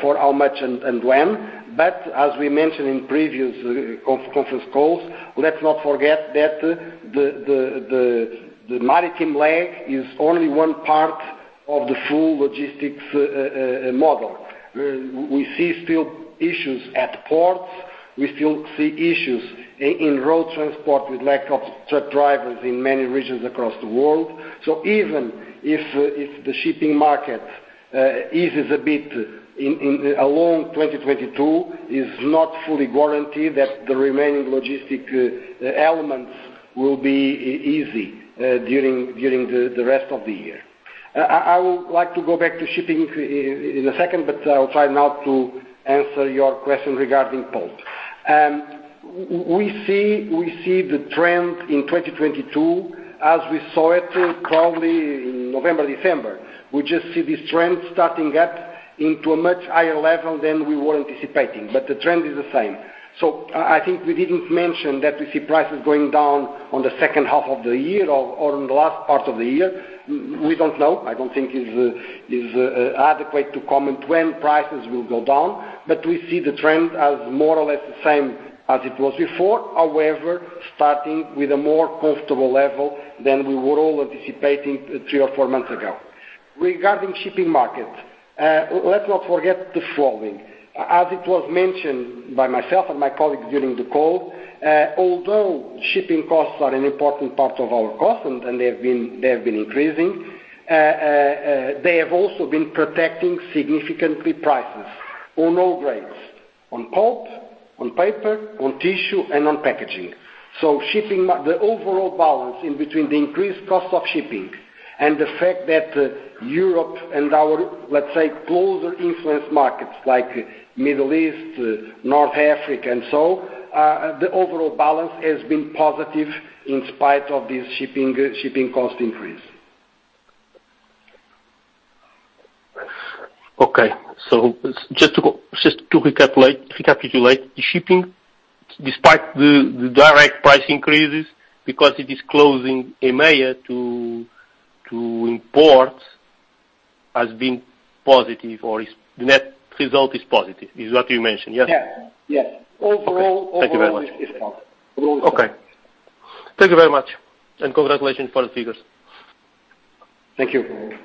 for how much and when. As we mentioned in previous conference calls, let's not forget that the maritime leg is only one part of the full logistics model. We still see issues at ports. We still see issues in road transport with lack of truck drivers in many regions across the world. Even if the shipping market eases a bit in 2022, it's not fully guaranteed that the remaining logistics elements will be easy during the rest of the year. I would like to go back to shipping in a second, but I'll try now to answer your question regarding pulp. We see the trend in 2022 as we saw it probably in November, December. We just see this trend starting at a much higher level than we were anticipating, but the trend is the same. I think we didn't mention that we see prices going down in the second half of the year or in the last part of the year. We don't know. I don't think it's adequate to comment when prices will go down, but we see the trend as more or less the same as it was before. However, starting with a more comfortable level than we were all anticipating three or four months ago. Regarding shipping market, let's not forget the following. As it was mentioned by myself and my colleagues during the call, although shipping costs are an important part of our cost, and they have been increasing, they have also been protecting significantly prices on all grades, on pulp, on paper, on tissue and on packaging. The overall balance in between the increased cost of shipping and the fact that Europe and our, let's say, closer influence markets like Middle East, North Africa, and so, the overall balance has been positive in spite of this shipping cost increase. Just to recapitulate, shipping, despite the direct price increases because it is closing EMEA to import, has been positive or is, the net result is positive, is what you mentioned, yes? Yes. Yes. Okay. Overall. Thank you very much. It's positive. Okay. Thank you very much, and congratulations for the figures. Thank you.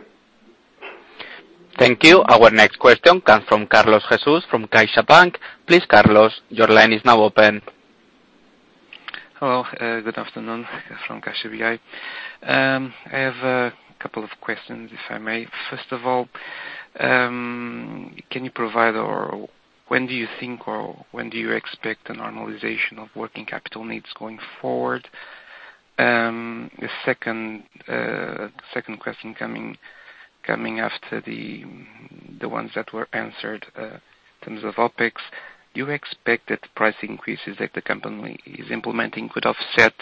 Thank you. Our next question comes from Carlos Jesus from CaixaBank. Please, Carlos, your line is now open. Hello, good afternoon from CaixaBI. I have a couple of questions, if I may. First of all, when do you expect a normalization of working capital needs going forward? The second question, coming after the ones that were answered, in terms of OpEx, do you expect that the price increases that the company is implementing could offset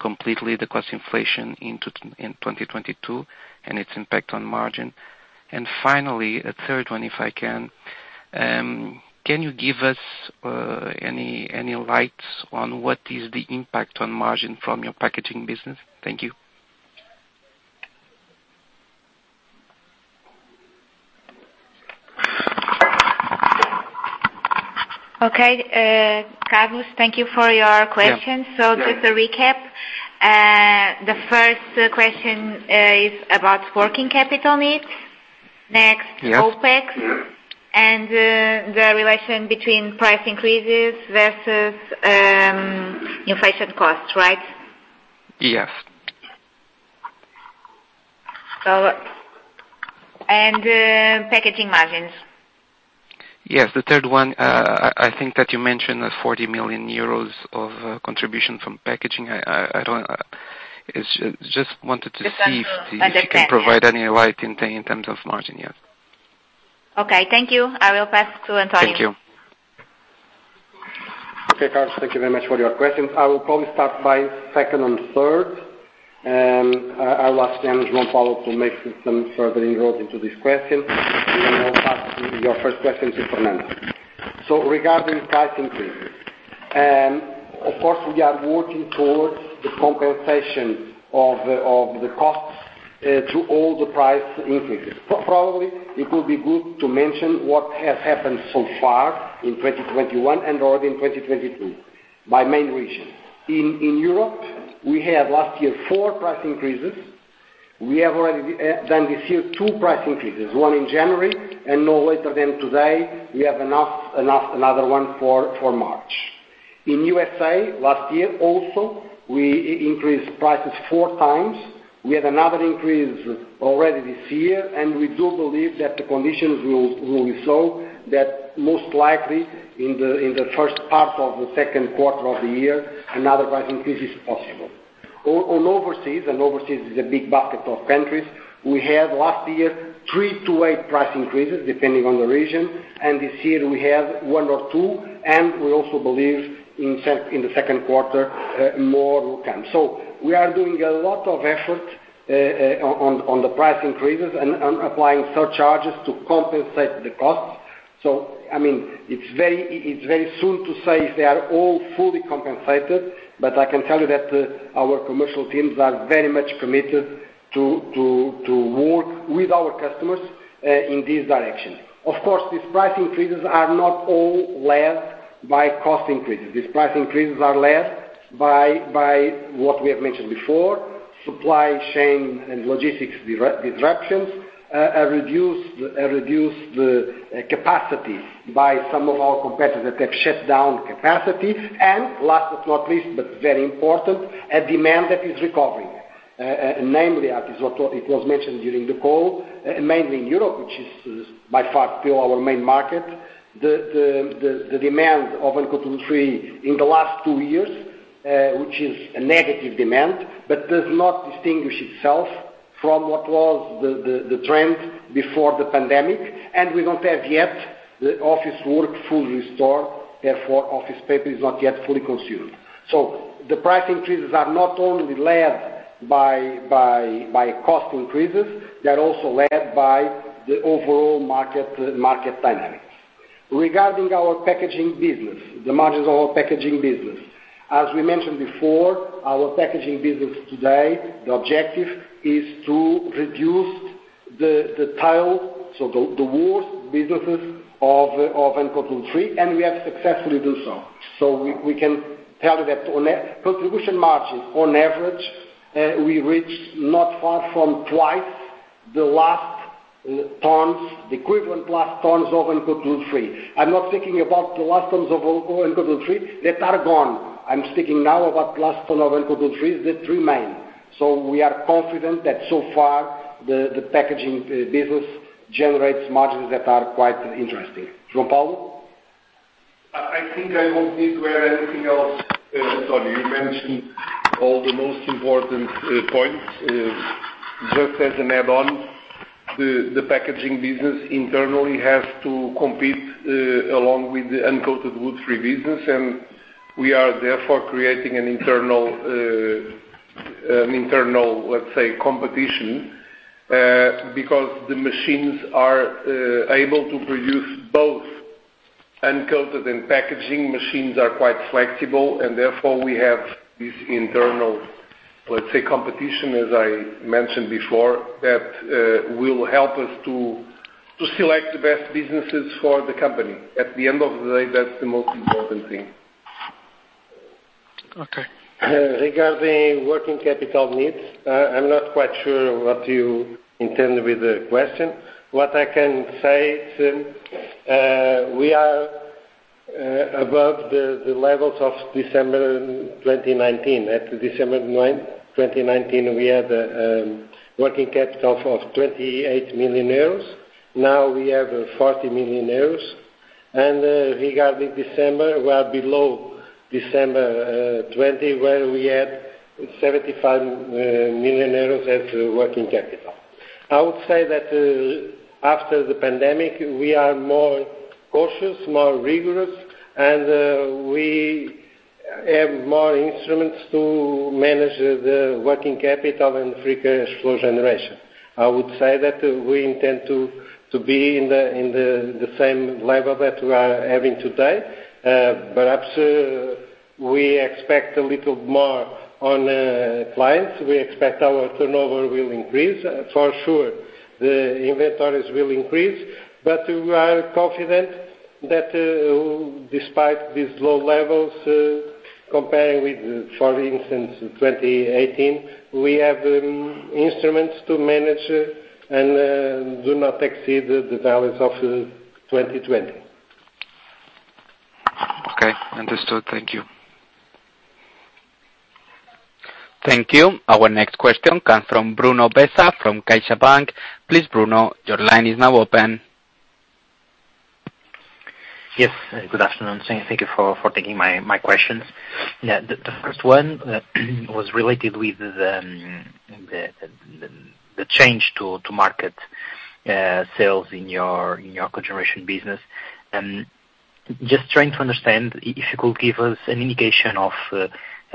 completely the cost inflation in 2022 and its impact on margin? Finally, a third one, if I can you give us any light on what is the impact on margin from your packaging business? Thank you. Okay. Carlos, thank you for your questions. Yeah. Just to recap, the first question is about working capital needs. Next- Yeah. OpEx and the relation between price increases versus inflation costs, right? Yes. packaging margins. Yes. The third one, I think you mentioned the 40 million euros of contribution from packaging. I don't, I just wanted to see if... Understand, yeah. You can provide any light in terms of margin, yes. Okay, thank you. I will pass to Antonio. Thank you. Okay, Carlos, thank you very much for your questions. I will probably start by second and third. I will ask João or Paulo to make some further inroads into this question, and I'll pass your first question to Fernando. Regarding price increases, of course, we are working towards the compensation of the costs to all the price increases. Probably it will be good to mention what has happened so far in 2021 and already in 2022 by main regions. In Europe, we had last year four price increases. We have already done this year two price increases, one in January, and no later than today, we have announced another one for March. In U.S. last year also, we increased prices four times. We had another increase already this year, and we do believe that the conditions will show that most likely in the first part of the second quarter of the year, another price increase is possible. On overseas is a big basket of countries, we had last year three to eight price increases, depending on the region. This year we have one or two, and we also believe in the second quarter, more will come. We are doing a lot of effort on the price increases and applying surcharges to compensate the costs. I mean, it's very soon to say if they are all fully compensated, but I can tell you that our commercial teams are very much committed to work with our customers in this direction. Of course, these price increases are not all led by cost increases. These price increases are led by what we have mentioned before, supply chain and logistics disruptions, a reduced capacity by some of our competitors that have shut down capacity. Last but not least, very important, a demand that is recovering. Namely, as it was mentioned during the call, mainly in Europe, which is by far still our main market, the demand for uncoated wood-free in the last two years, which is a negative demand, but does not distinguish itself. From what was the trend before the pandemic, and we don't have yet the office work fully restored, therefore, office paper is not yet fully consumed. The price increases are not only led by cost increases, they are also led by the overall market dynamics. Regarding our packaging business, the margins of our packaging business, as we mentioned before, our packaging business today, the objective is to reduce the tail, so the worst businesses of uncoated woodfree, and we have successfully do so. We can tell you that on contribution margins on average, we reached not far from twice the last tons, the equivalent last tons of uncoated woodfree. I'm not speaking about the last tons of uncoated woodfree that are gone. I'm speaking now about last ton of uncoated woodfree that remain. We are confident that so far, the packaging business generates margins that are quite interesting. João Paulo? I think I won't need to add anything else, Tony. You mentioned all the most important points. Just as an add-on, the packaging business internally has to compete along with the uncoated woodfree business, and we are therefore creating an internal, let's say, competition because the machines are able to produce both uncoated and packaging. Machines are quite flexible, and therefore we have this internal, let's say, competition as I mentioned before, that will help us to select the best businesses for the company. At the end of the day, that's the most important thing. Okay. Regarding working capital needs, I'm not quite sure what you intend with the question. What I can say is, we are above the levels of December 2019. At December 9, 2019, we had working capital of 28 million euros. Now we have 40 million euros. Regarding December, we are below December 2020, where we had 75 million euros as working capital. I would say that after the pandemic, we are more cautious, more rigorous, and we have more instruments to manage the working capital and free cash flow generation. I would say that we intend to be in the same level that we are having today. Perhaps we expect a little more on clients. We expect our turnover will increase. For sure, the inventories will increase. We are confident that, despite these low levels, comparing with, for instance, 2018, we have instruments to manage and do not exceed the values of 2020. Okay. Understood. Thank you. Thank you. Our next question comes from Bruno Bessa, from CaixaBank BPI. Please, Bruno, your line is now open. Yes. Good afternoon. Thank you for taking my questions. Yeah. The first one was related with the change to market sales in your co-generation business. Just trying to understand if you could give us an indication of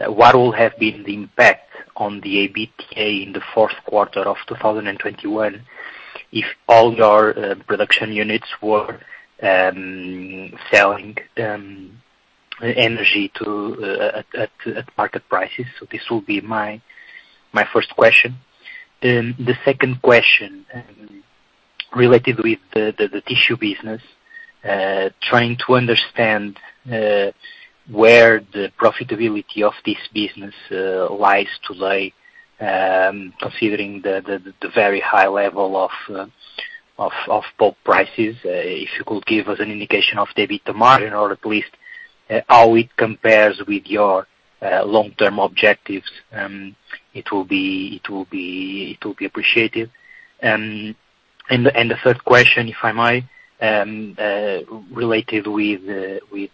what will have been the impact on the EBITDA in the fourth quarter of 2021 if all your production units were selling energy at market prices. This will be my first question. The second question related with the tissue business. Trying to understand where the profitability of this business lies today, considering the very high level of pulp prices. If you could give us an indication of the EBITDA margin or at least how it compares with your long-term objectives, it will be appreciated. The third question, if I may, related with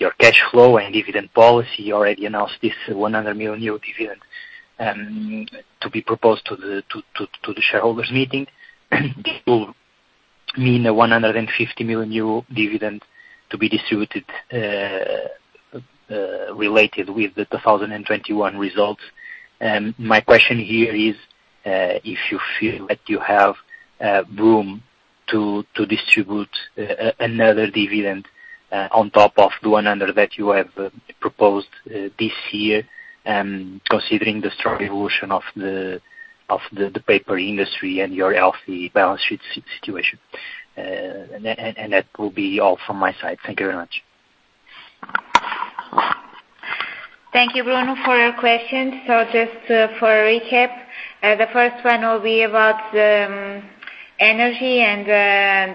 your cash flow and dividend policy. You already announced this 100 million euro dividend to be proposed to the shareholders meeting. This will mean a 150 million euro dividend to be distributed related with the 2021 results. My question here is if you feel that you have room to distribute another dividend on top of the one that you have proposed this year, considering the strong evolution of the paper industry and your healthy balance sheet situation. And that will be all from my side. Thank you very much. Thank you, Bruno, for your questions. Just for a recap, the first one will be about energy and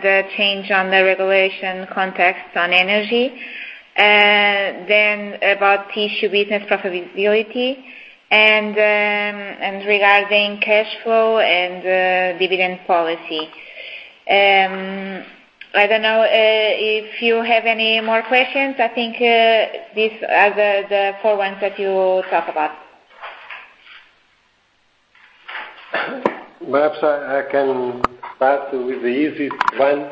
the change in the regulatory context on energy. About tissue business profitability and regarding cash flow and dividend policy. I don't know Do you have any more questions? I think, these are the four ones that you talked about. Perhaps I can start with the easiest one,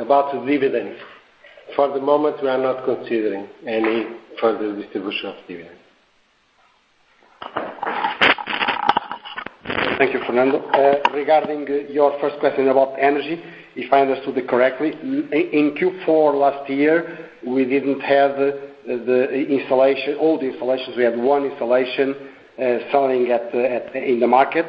about dividends. For the moment, we are not considering any further distribution of dividends. Thank you, Fernando Araújo. Regarding your first question about energy, if I understood it correctly, in Q4 last year, we didn't have all the installations. We had one installation selling in the market.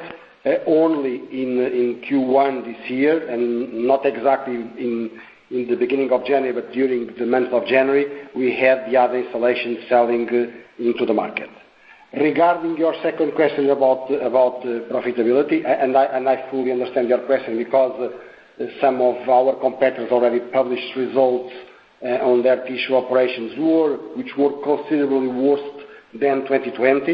Only in Q1 this year, and not exactly in the beginning of January, but during the month of January, we had the other installation selling into the market. Regarding your second question about profitability, and I fully understand your question because some of our competitors already published results on their tissue operations, which were considerably worse than 2020.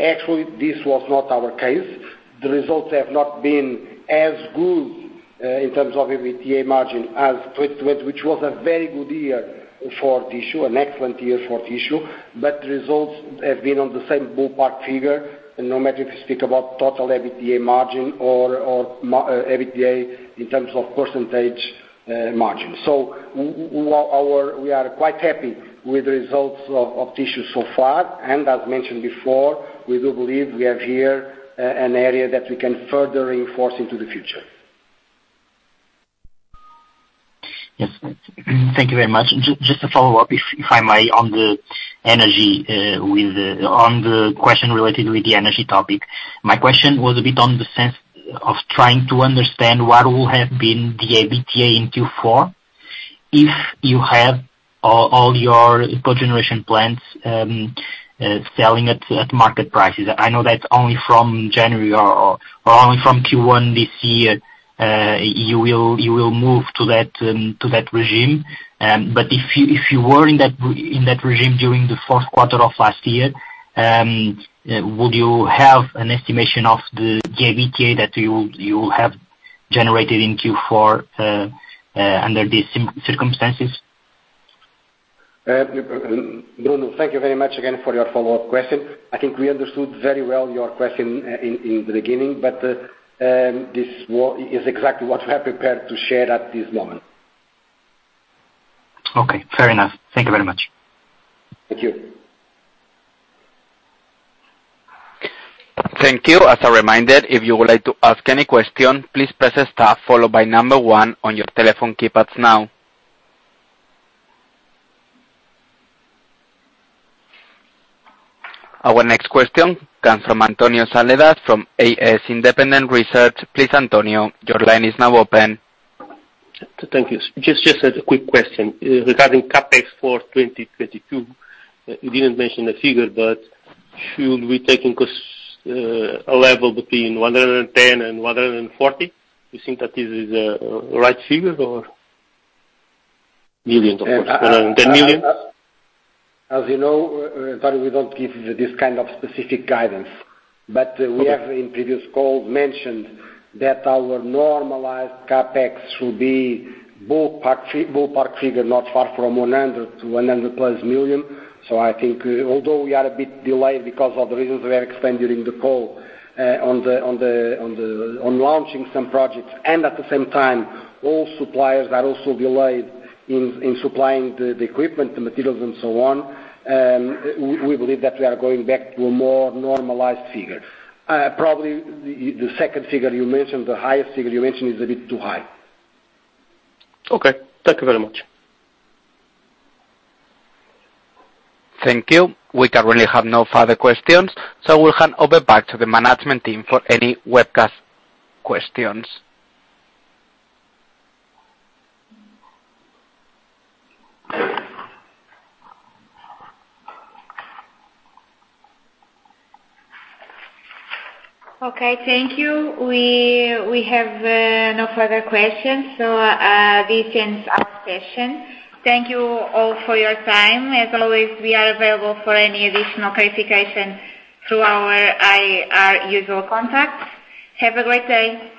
Actually, this was not our case. The results have not been as good in terms of EBITDA margin as 2020, which was a very good year for tissue, an excellent year for tissue. The results have been on the same ballpark figure, no matter if you speak about total EBITDA margin or EBITDA in terms of percentage margin. We are quite happy with the results of tissue so far. As mentioned before, we do believe we have here an area that we can further reinforce into the future. Yes, thanks. Thank you very much. Just to follow up, if I may, on the energy. On the question related with the energy topic. My question was a bit on the sense of trying to understand what would have been the EBITDA in Q4 if you had all your cogeneration plants selling at market prices. I know that only from January or only from Q1 this year you will move to that regime. If you were in that regime during the fourth quarter of last year, would you have an estimation of the EBITDA that you have generated in Q4 under these circumstances? Bruno, thank you very much again for your follow-up question. I think we understood very well your question in the beginning, but this is exactly what we are prepared to share at this moment. Okay, fair enough. Thank you very much. Thank you. Thank you. As a reminder, if you would like to ask any question, please press star followed by number one on your telephone keypads now. Our next question comes from António Seladas from AS Independent Research. Please, António, your line is now open. Thank you. Just a quick question regarding CapEx for 2022. You didn't mention a figure, but should we take a level between 110 million and 140 million? You think that is right figures or? Millions, of course. 110 million. As you know, António, we don't give this kind of specific guidance. Okay. We have in previous call mentioned that our normalized CapEx should be ballpark figure, not far from 100 million to 100+ million. I think although we are a bit delayed because of the reasons we have explained during the call, on launching some projects. At the same time, all suppliers are also delayed in supplying the equipment, the materials and so on. We believe that we are going back to a more normalized figure. Probably the second figure you mentioned, the highest figure you mentioned is a bit too high. Okay, thank you very much. Thank you. We currently have no further questions, so we'll hand over back to the management team for any webcast questions. Okay, thank you. We have no further questions, so this ends our session. Thank you all for your time. As always, we are available for any additional clarification through our IR usual contacts. Have a great day.